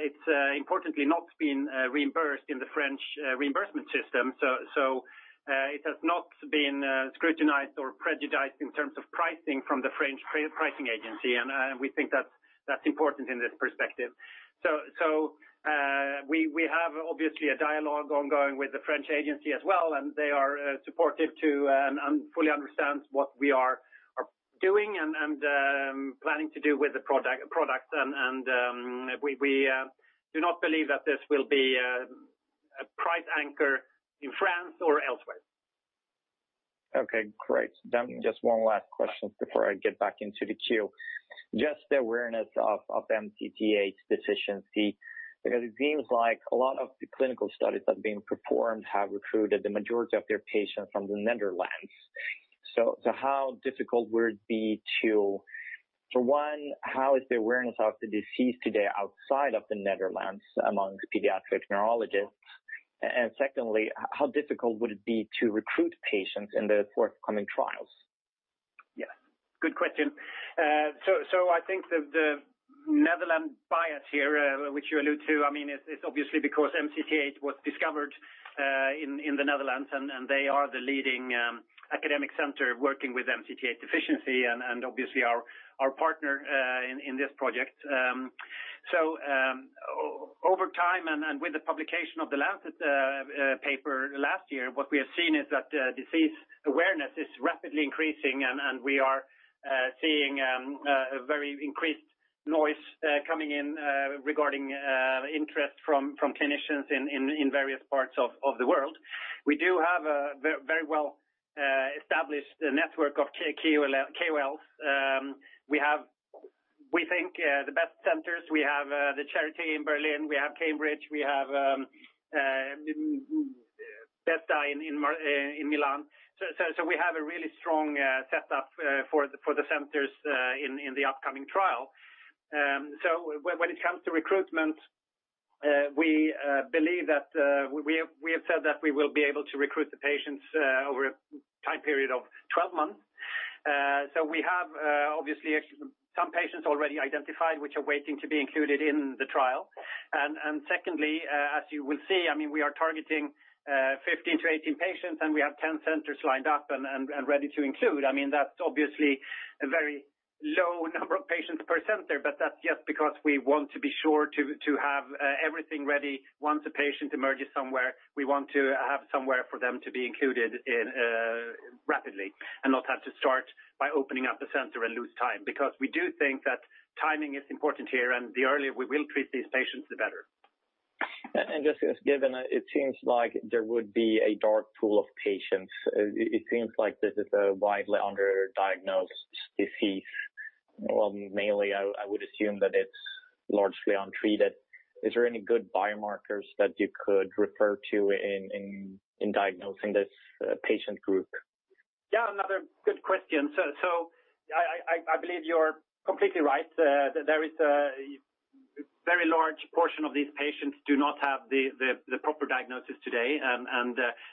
It's importantly not been reimbursed in the French reimbursement system. It has not been scrutinized or prejudized in terms of pricing from the French pricing agency. We think that's important in this perspective. We have obviously a dialogue ongoing with the French agency as well. They are supportive too and fully understand what we are doing and planning to do with the product. We do not believe that this will be a price anchor in France or elsewhere. Okay, great. Just one last question before I get back into the queue. Just the awareness of MCT8 deficiency, because it seems like a lot of the clinical studies that have been performed have recruited the majority of their patients from the Netherlands. How difficult would it be to—for one, how is the awareness of the disease today outside of the Netherlands amongst pediatric neurologists? Secondly, how difficult would it be to recruit patients in the forthcoming trials? Yes. Good question. I think the Netherlands bias here, which you allude to, I mean, it's obviously because Emcitate was discovered in the Netherlands. They are the leading academic center working with MCT8 deficiency and obviously our partner in this project. Over time and with the publication of the Lancet paper last year, what we have seen is that disease awareness is rapidly increasing. We are seeing a very increased noise coming in regarding interest from clinicians in various parts of the world. We do have a very well-established network of KOLs. We think the best centers—we have the charity in Berlin, we have Cambridge, we have BESTA in Milan. We have a really strong setup for the centers in the upcoming trial. When it comes to recruitment, we believe that we have said that we will be able to recruit the patients over a time period of 12 months. We have obviously some patients already identified which are waiting to be included in the trial. Secondly, as you will see, I mean, we are targeting 15-18 patients and we have 10 centers lined up and ready to include. I mean, that's obviously a very low number of patients per center, but that's just because we want to be sure to have everything ready once a patient emerges somewhere. We want to have somewhere for them to be included rapidly and not have to start by opening up the center and lose time. We do think that timing is important here. The earlier we will treat these patients, the better. Given it seems like there would be a dark pool of patients, it seems like this is a widely underdiagnosed disease. Mainly, I would assume that it's largely untreated. Is there any good biomarkers that you could refer to in diagnosing this patient group? Yeah, another good question. I believe you're completely right. There is a very large portion of these patients who do not have the proper diagnosis today.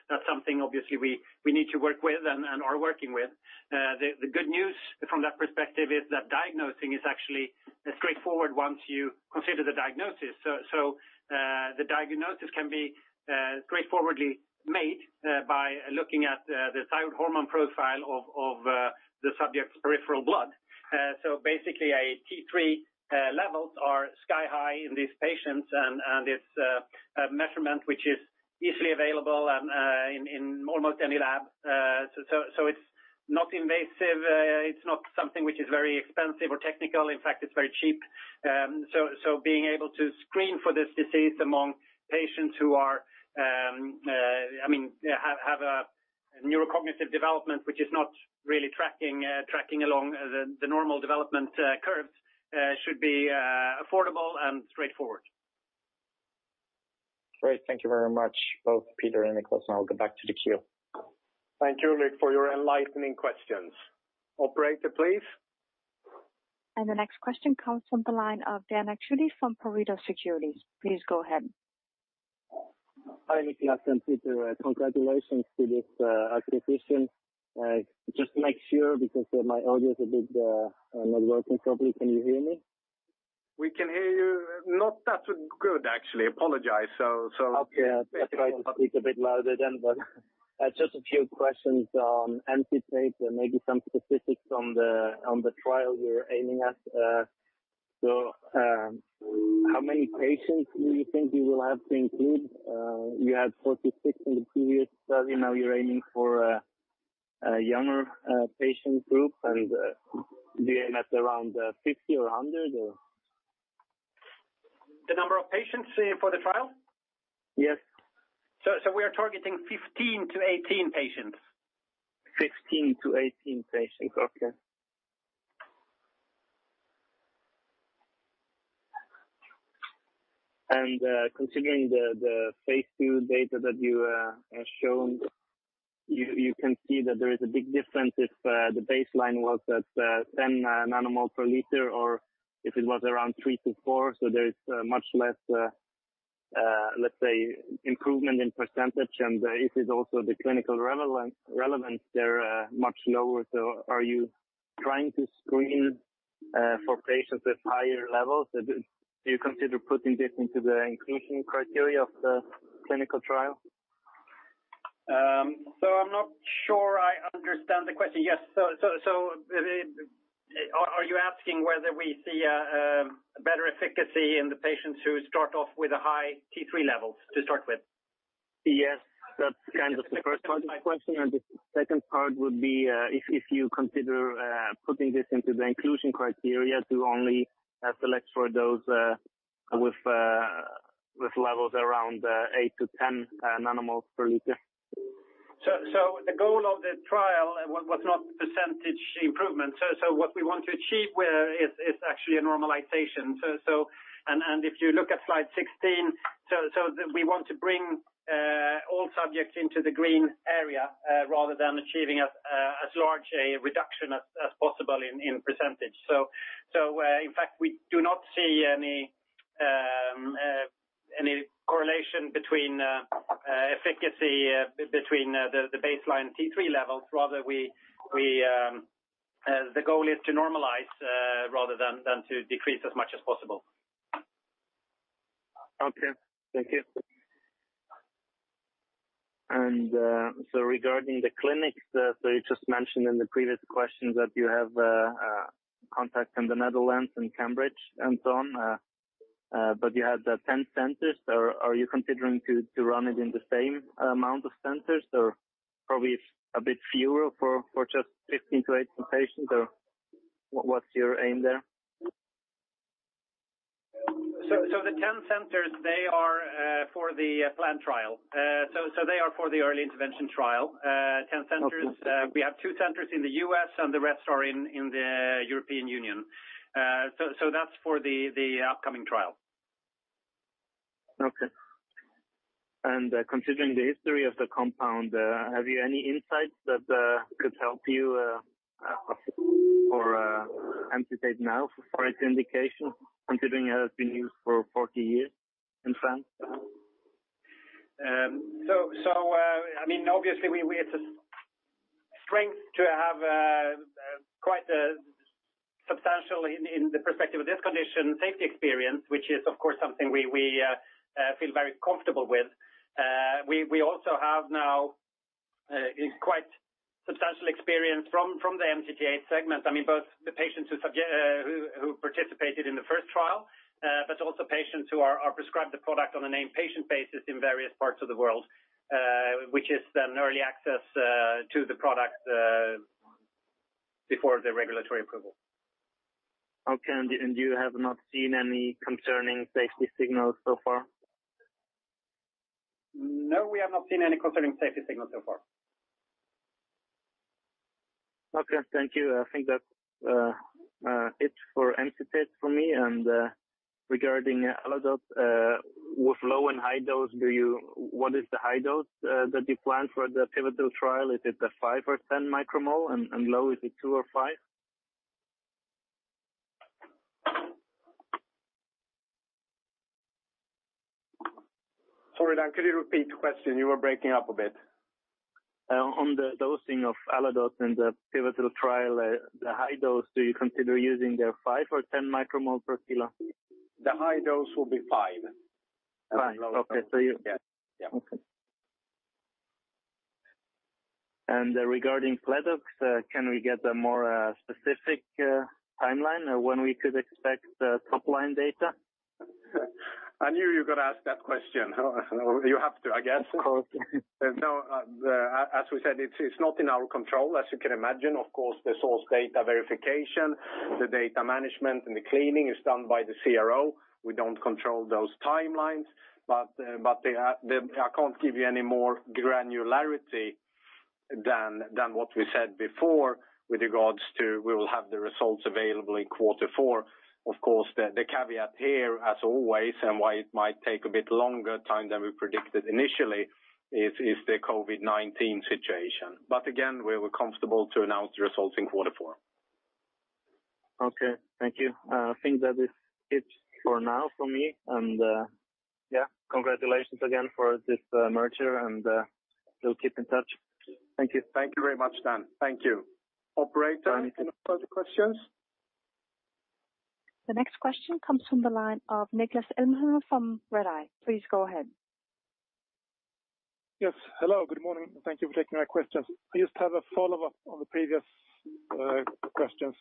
That's something obviously we need to work with and are working with. The good news from that perspective is that diagnosing is actually straightforward once you consider the diagnosis. The diagnosis can be straightforwardly made by looking at the thyroid hormone profile of the subject's peripheral blood. Basically, T3 levels are sky high in these patients. It's a measurement which is easily available in almost any lab. It's not invasive. It's not something which is very expensive or technical. In fact, it's very cheap. Being able to screen for this disease among patients who are, I mean, have a neurocognitive development which is not really tracking along the normal development curves should be affordable and straightforward. Great. Thank you very much, both Peder and Nicklas. I'll get back to the queue. Thank you, Ulrik, for your enlightening questions. Operator, please. The next question comes from the line of Dan Akschuti from Pareto Securities. Please go ahead. Hi, Nicklas and Peder. Congratulations to this acquisition. Just to make sure because my audio is a bit not working properly. Can you hear me? We can hear you. Not that good, actually. Apologize. That's why it's a bit louder then. Just a few questions on Emcitate and maybe some specifics on the trial you're aiming at. How many patients do you think you will have to include? You had 46 in the previous study. Now you're aiming for a younger patient group. Do you aim at around 50 or 100? The number of patients for the trial? Yes. We are targeting 15-18 patients. Fifteen to eighteen patients. Okay. Considering the phase II data that you have shown, you can see that there is a big difference if the baseline was at 10 nanomole per liter or if it was around 3-4. There is much less, let's say, improvement in %. If it's also the clinical relevance, they're much lower. Are you trying to screen for patients with higher levels? Do you consider putting this into the inclusion criteria of the clinical trial? I'm not sure I understand the question. Yes. Are you asking whether we see a better efficacy in the patients who start off with a high T3 level to start with? Yes. That's kind of the first part of the question. The second part would be if you consider putting this into the inclusion criteria to only select for those with levels around 8-10 nanomoles per liter. The goal of the trial was not percentage improvement. What we want to achieve is actually a normalization. If you look at slide 16, we want to bring all subjects into the green area rather than achieving as large a reduction as possible in percentage. In fact, we do not see any correlation between efficacy between the baseline T3 levels. Rather, the goal is to normalize rather than to decrease as much as possible. Okay. Thank you. Regarding the clinics, you just mentioned in the previous questions that you have contact in the Netherlands and Cambridge and so on. You had 10 centers. Are you considering to run it in the same amount of centers or probably a bit fewer for just 15-18 patients? What's your aim there? The 10 centers are for the planned trial. They are for the early intervention trial. Ten centers. We have two centers in the U.S. and the rest are in the European Union. That's for the upcoming trial. Okay. Considering the history of the compound, have you any insights that could help you for Emcitate now for its indication, considering it has been used for 40 years in France? I mean, obviously, it's a strength to have quite substantial, in the perspective of this condition, safety experience, which is, of course, something we feel very comfortable with. We also have now quite substantial experience from the Emcitate segment. I mean, both the patients who participated in the first trial, but also patients who are prescribed the product on an inpatient basis in various parts of the world, which is then early access to the product before the regulatory approval. Okay. You have not seen any concerning safety signals so far? No, we have not seen any concerning safety signals so far. Okay. Thank you. I think that's it for Emcitate for me. Regarding Aladote, with low and high dose, what is the high dose that you plan for the pivotal trial? Is it the 5 or 10 micromole? And low, is it 2 or 5? Sorry, Dan. Could you repeat the question? You were breaking up a bit. On the dosing of Aladote and the pivotal trial, the high dose, do you consider using either 5 or 10 micromole per kilo? The high dose will be 5. 5. Okay. So you yeah. Okay. And regarding PledOx, can we get a more specific timeline when we could expect top-line data? I knew you were going to ask that question. You have to, I guess. Of course. No, as we said, it's not in our control. As you can imagine, of course, the source data verification, the data management, and the cleaning is done by the CRO. We don't control those timelines. I can't give you any more granularity than what we said before with regards to we will have the results available in quarter four. Of course, the caveat here, as always, and why it might take a bit longer time than we predicted initially is the COVID-19 situation. Again, we were comfortable to announce the results in quarter four. Okay. Thank you. I think that is it for now for me. Yeah, congratulations again for this merger. We will keep in touch. Thank you. Thank you very much, Dan. Thank you. Operator, any further questions? The next question comes from the line of [Nicklas Ilmhöne] from Redeye. Please go ahead. Yes. Hello. Good morning. Thank you for taking my questions. I just have a follow-up on the previous questions.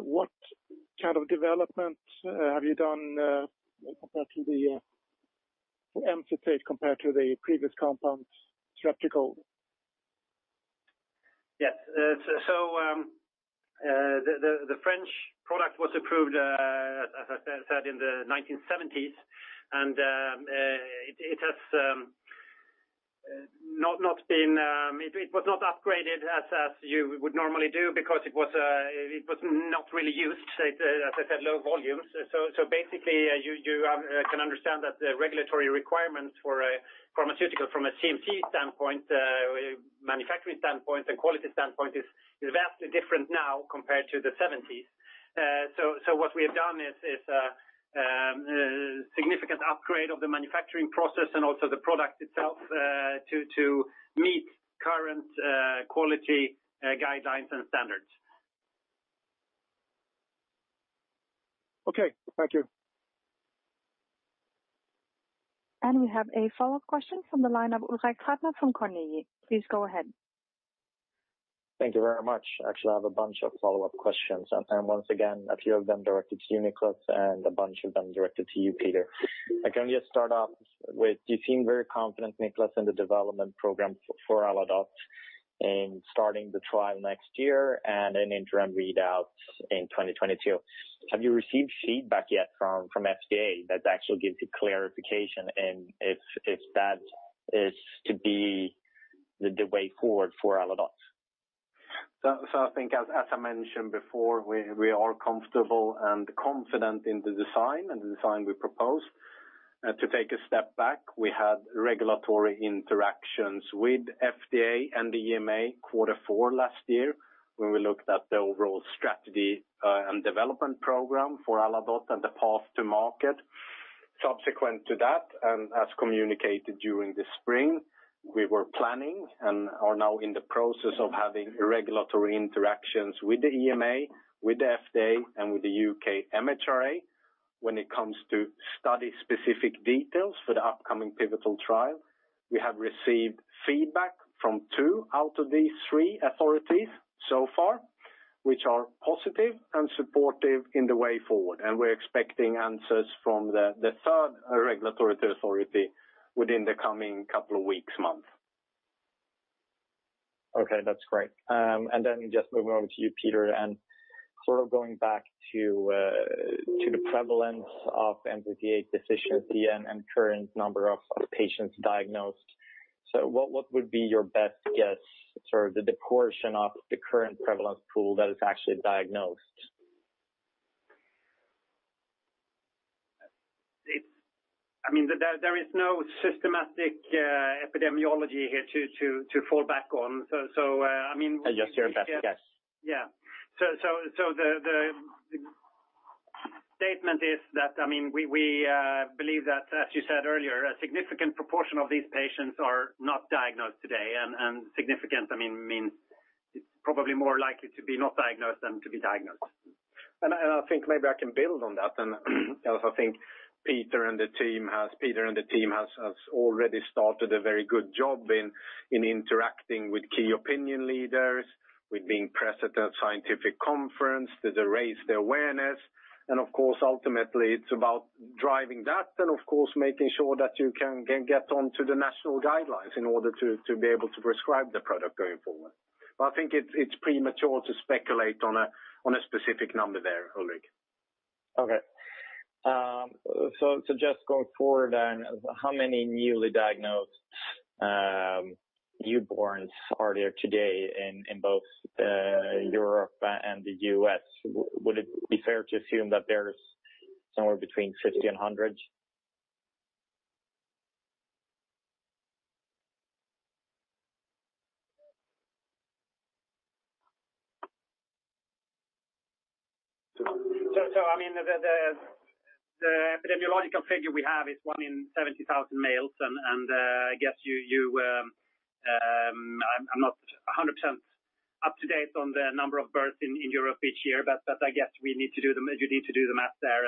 What kind of development have you done for Emcitate compared to the previous compound, tiratricol? Yes. The French product was approved, as I said, in the 1970s. It has not been upgraded as you would normally do because it was not really used, as I said, low volumes. You can understand that the regulatory requirements for a pharmaceutical from a CMC standpoint, manufacturing standpoint, and quality standpoint is vastly different now compared to the 1970s. What we have done is a significant upgrade of the manufacturing process and also the product itself to meet current quality guidelines and standards. Thank you. We have a follow-up question from the line of Ulrik Trattner from Carnegie. Please go ahead. Thank you very much. Actually, I have a bunch of follow-up questions. Once again, a few of them directed to you, Nicklas, and a bunch of them directed to you, Peder. I can just start off with you seem very confident, Nicklas, in the development program for Aladote and starting the trial next year and an interim readout in 2022. Have you received feedback yet from FDA that actually gives you clarification in if that is to be the way forward for Aladote? I think, as I mentioned before, we are comfortable and confident in the design and the design we proposed. To take a step back, we had regulatory interactions with FDA and the EMA quarter four last year when we looked at the overall strategy and development program for Aladote and the path to market. Subsequent to that, and as communicated during the spring, we were planning and are now in the process of having regulatory interactions with the EMA, with the FDA, and with the U.K. MHRA when it comes to study-specific details for the upcoming pivotal trial. We have received feedback from two out of these three authorities so far, which are positive and supportive in the way forward. We are expecting answers from the third regulatory authority within the coming couple of weeks, months. Okay. That's great. Just moving over to you, Peder. Going back to the prevalence of MCT8 deficiency and current number of patients diagnosed. What would be your best guess for the proportion of the current prevalence pool that is actually diagnosed? I mean, there is no systematic epidemiology here to fall back on. I just hear a best guess. Yeah. The statement is that, I mean, we believe that, as you said earlier, a significant proportion of these patients are not diagnosed today. And significant, I mean, means it's probably more likely to be not diagnosed than to be diagnosed. I think maybe I can build on that. As I think Peder and the team has already started a very good job in interacting with key opinion leaders, with being present at scientific conferences, to raise the awareness. Of course, ultimately, it's about driving that and, of course, making sure that you can get onto the national guidelines in order to be able to prescribe the product going forward. I think it's premature to speculate on a specific number there, Ulrik. Okay. Just going forward then, how many newly diagnosed newborns are there today in both Europe and the U.S.? Would it be fair to assume that there's somewhere between 50 and 100? I mean, the epidemiological figure we have is one in 70,000 males. I guess you, I'm not 100% up to date on the number of births in Europe each year. I guess we need to do the, you need to do the math there.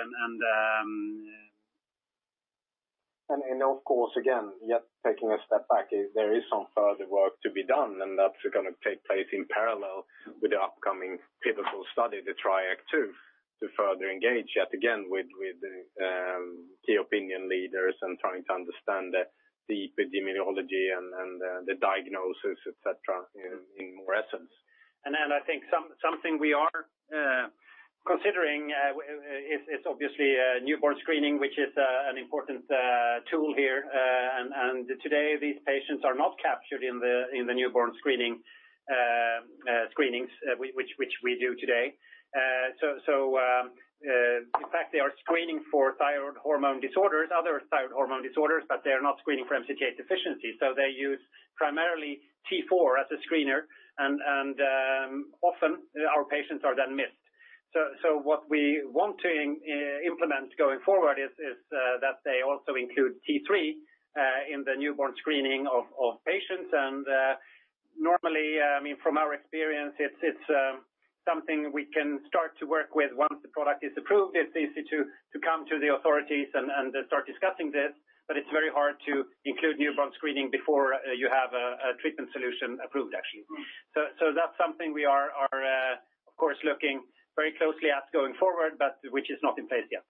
Of course, again, yet taking a step back, there is some further work to be done. That's going to take place in parallel with the upcoming pivotal study, the Triac II, to further engage yet again with key opinion leaders and trying to understand the epidemiology and the diagnosis, etc., in more essence. I think something we are considering is obviously newborn screening, which is an important tool here. Today, these patients are not captured in the newborn screenings which we do today. In fact, they are screening for thyroid hormone disorders, other thyroid hormone disorders, but they are not screening for MCT8 deficiency. They use primarily T4 as a screener. Often, our patients are then missed. What we want to implement going forward is that they also include T3 in the newborn screening of patients. Normally, I mean, from our experience, it's something we can start to work with once the product is approved. It's easy to come to the authorities and start discussing this. It's very hard to include newborn screening before you have a treatment solution approved, actually. That is something we are, of course, looking very closely at going forward, but which is not in place yet.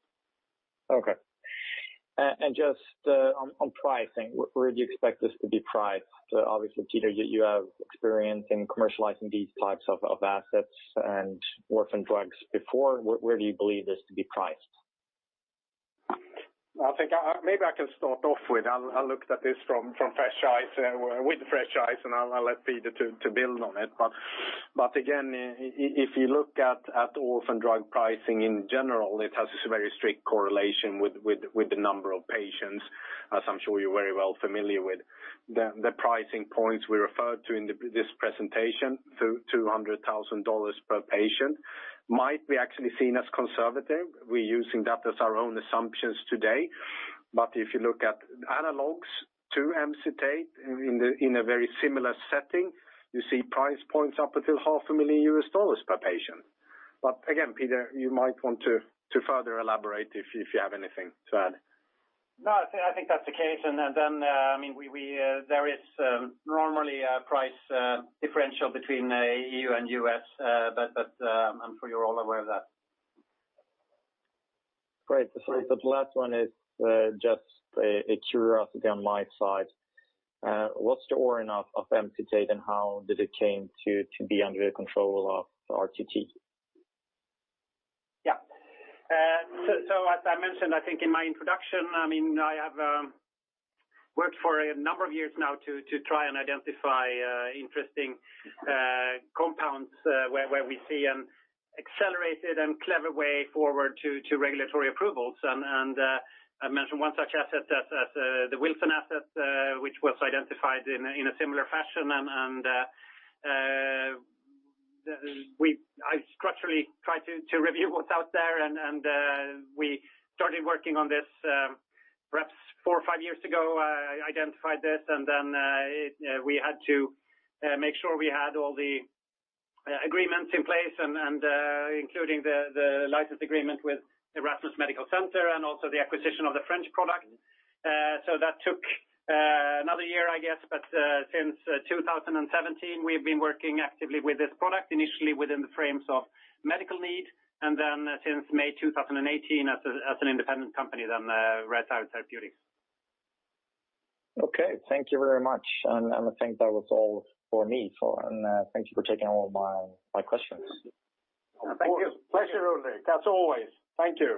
Okay. Just on pricing, where do you expect this to be priced? Obviously, Peder, you have experience in commercializing these types of assets and orphan drugs before. Where do you believe this to be priced? I think maybe I can start off with I will look at this from fresh eyes, with fresh eyes, and I will let Peder build on it. Again, if you look at orphan drug pricing in general, it has a very strict correlation with the number of patients, as I am sure you are very well familiar with. The pricing points we referred to in this presentation, $200,000 per patient, might actually be seen as conservative. We are using that as our own assumptions today. If you look at analogs to Emcitate in a very similar setting, you see price points up to $500,000 per patient. Again, Peder, you might want to further elaborate if you have anything to add. No, I think that's the case. I mean, there is normally a price differential between EU and U.S., but I'm sure you're all aware of that. Great. The last one is just a curiosity on my side. What's the origin of Emcitate and how did it come to be under the control of RTT? Yeah. As I mentioned, I think in my introduction, I have worked for a number of years now to try and identify interesting compounds where we see an accelerated and clever way forward to regulatory approvals. I mentioned one such asset as the Wilson asset, which was identified in a similar fashion. I structurally tried to review what's out there. We started working on this perhaps four or five years ago. I identified this. We had to make sure we had all the agreements in place, including the license agreement with Erasmus Medical Center and also the acquisition of the French product. That took another year, I guess. Since 2017, we've been working actively with this product, initially within the frames of Medical Need, and since May 2018, as an independent company, then Rare Thyroid Therapeutics. Okay. Thank you very much. I think that was all for me. Thank you for taking all my questions. Thank you. Pleasure, Ulrik, as always. Thank you.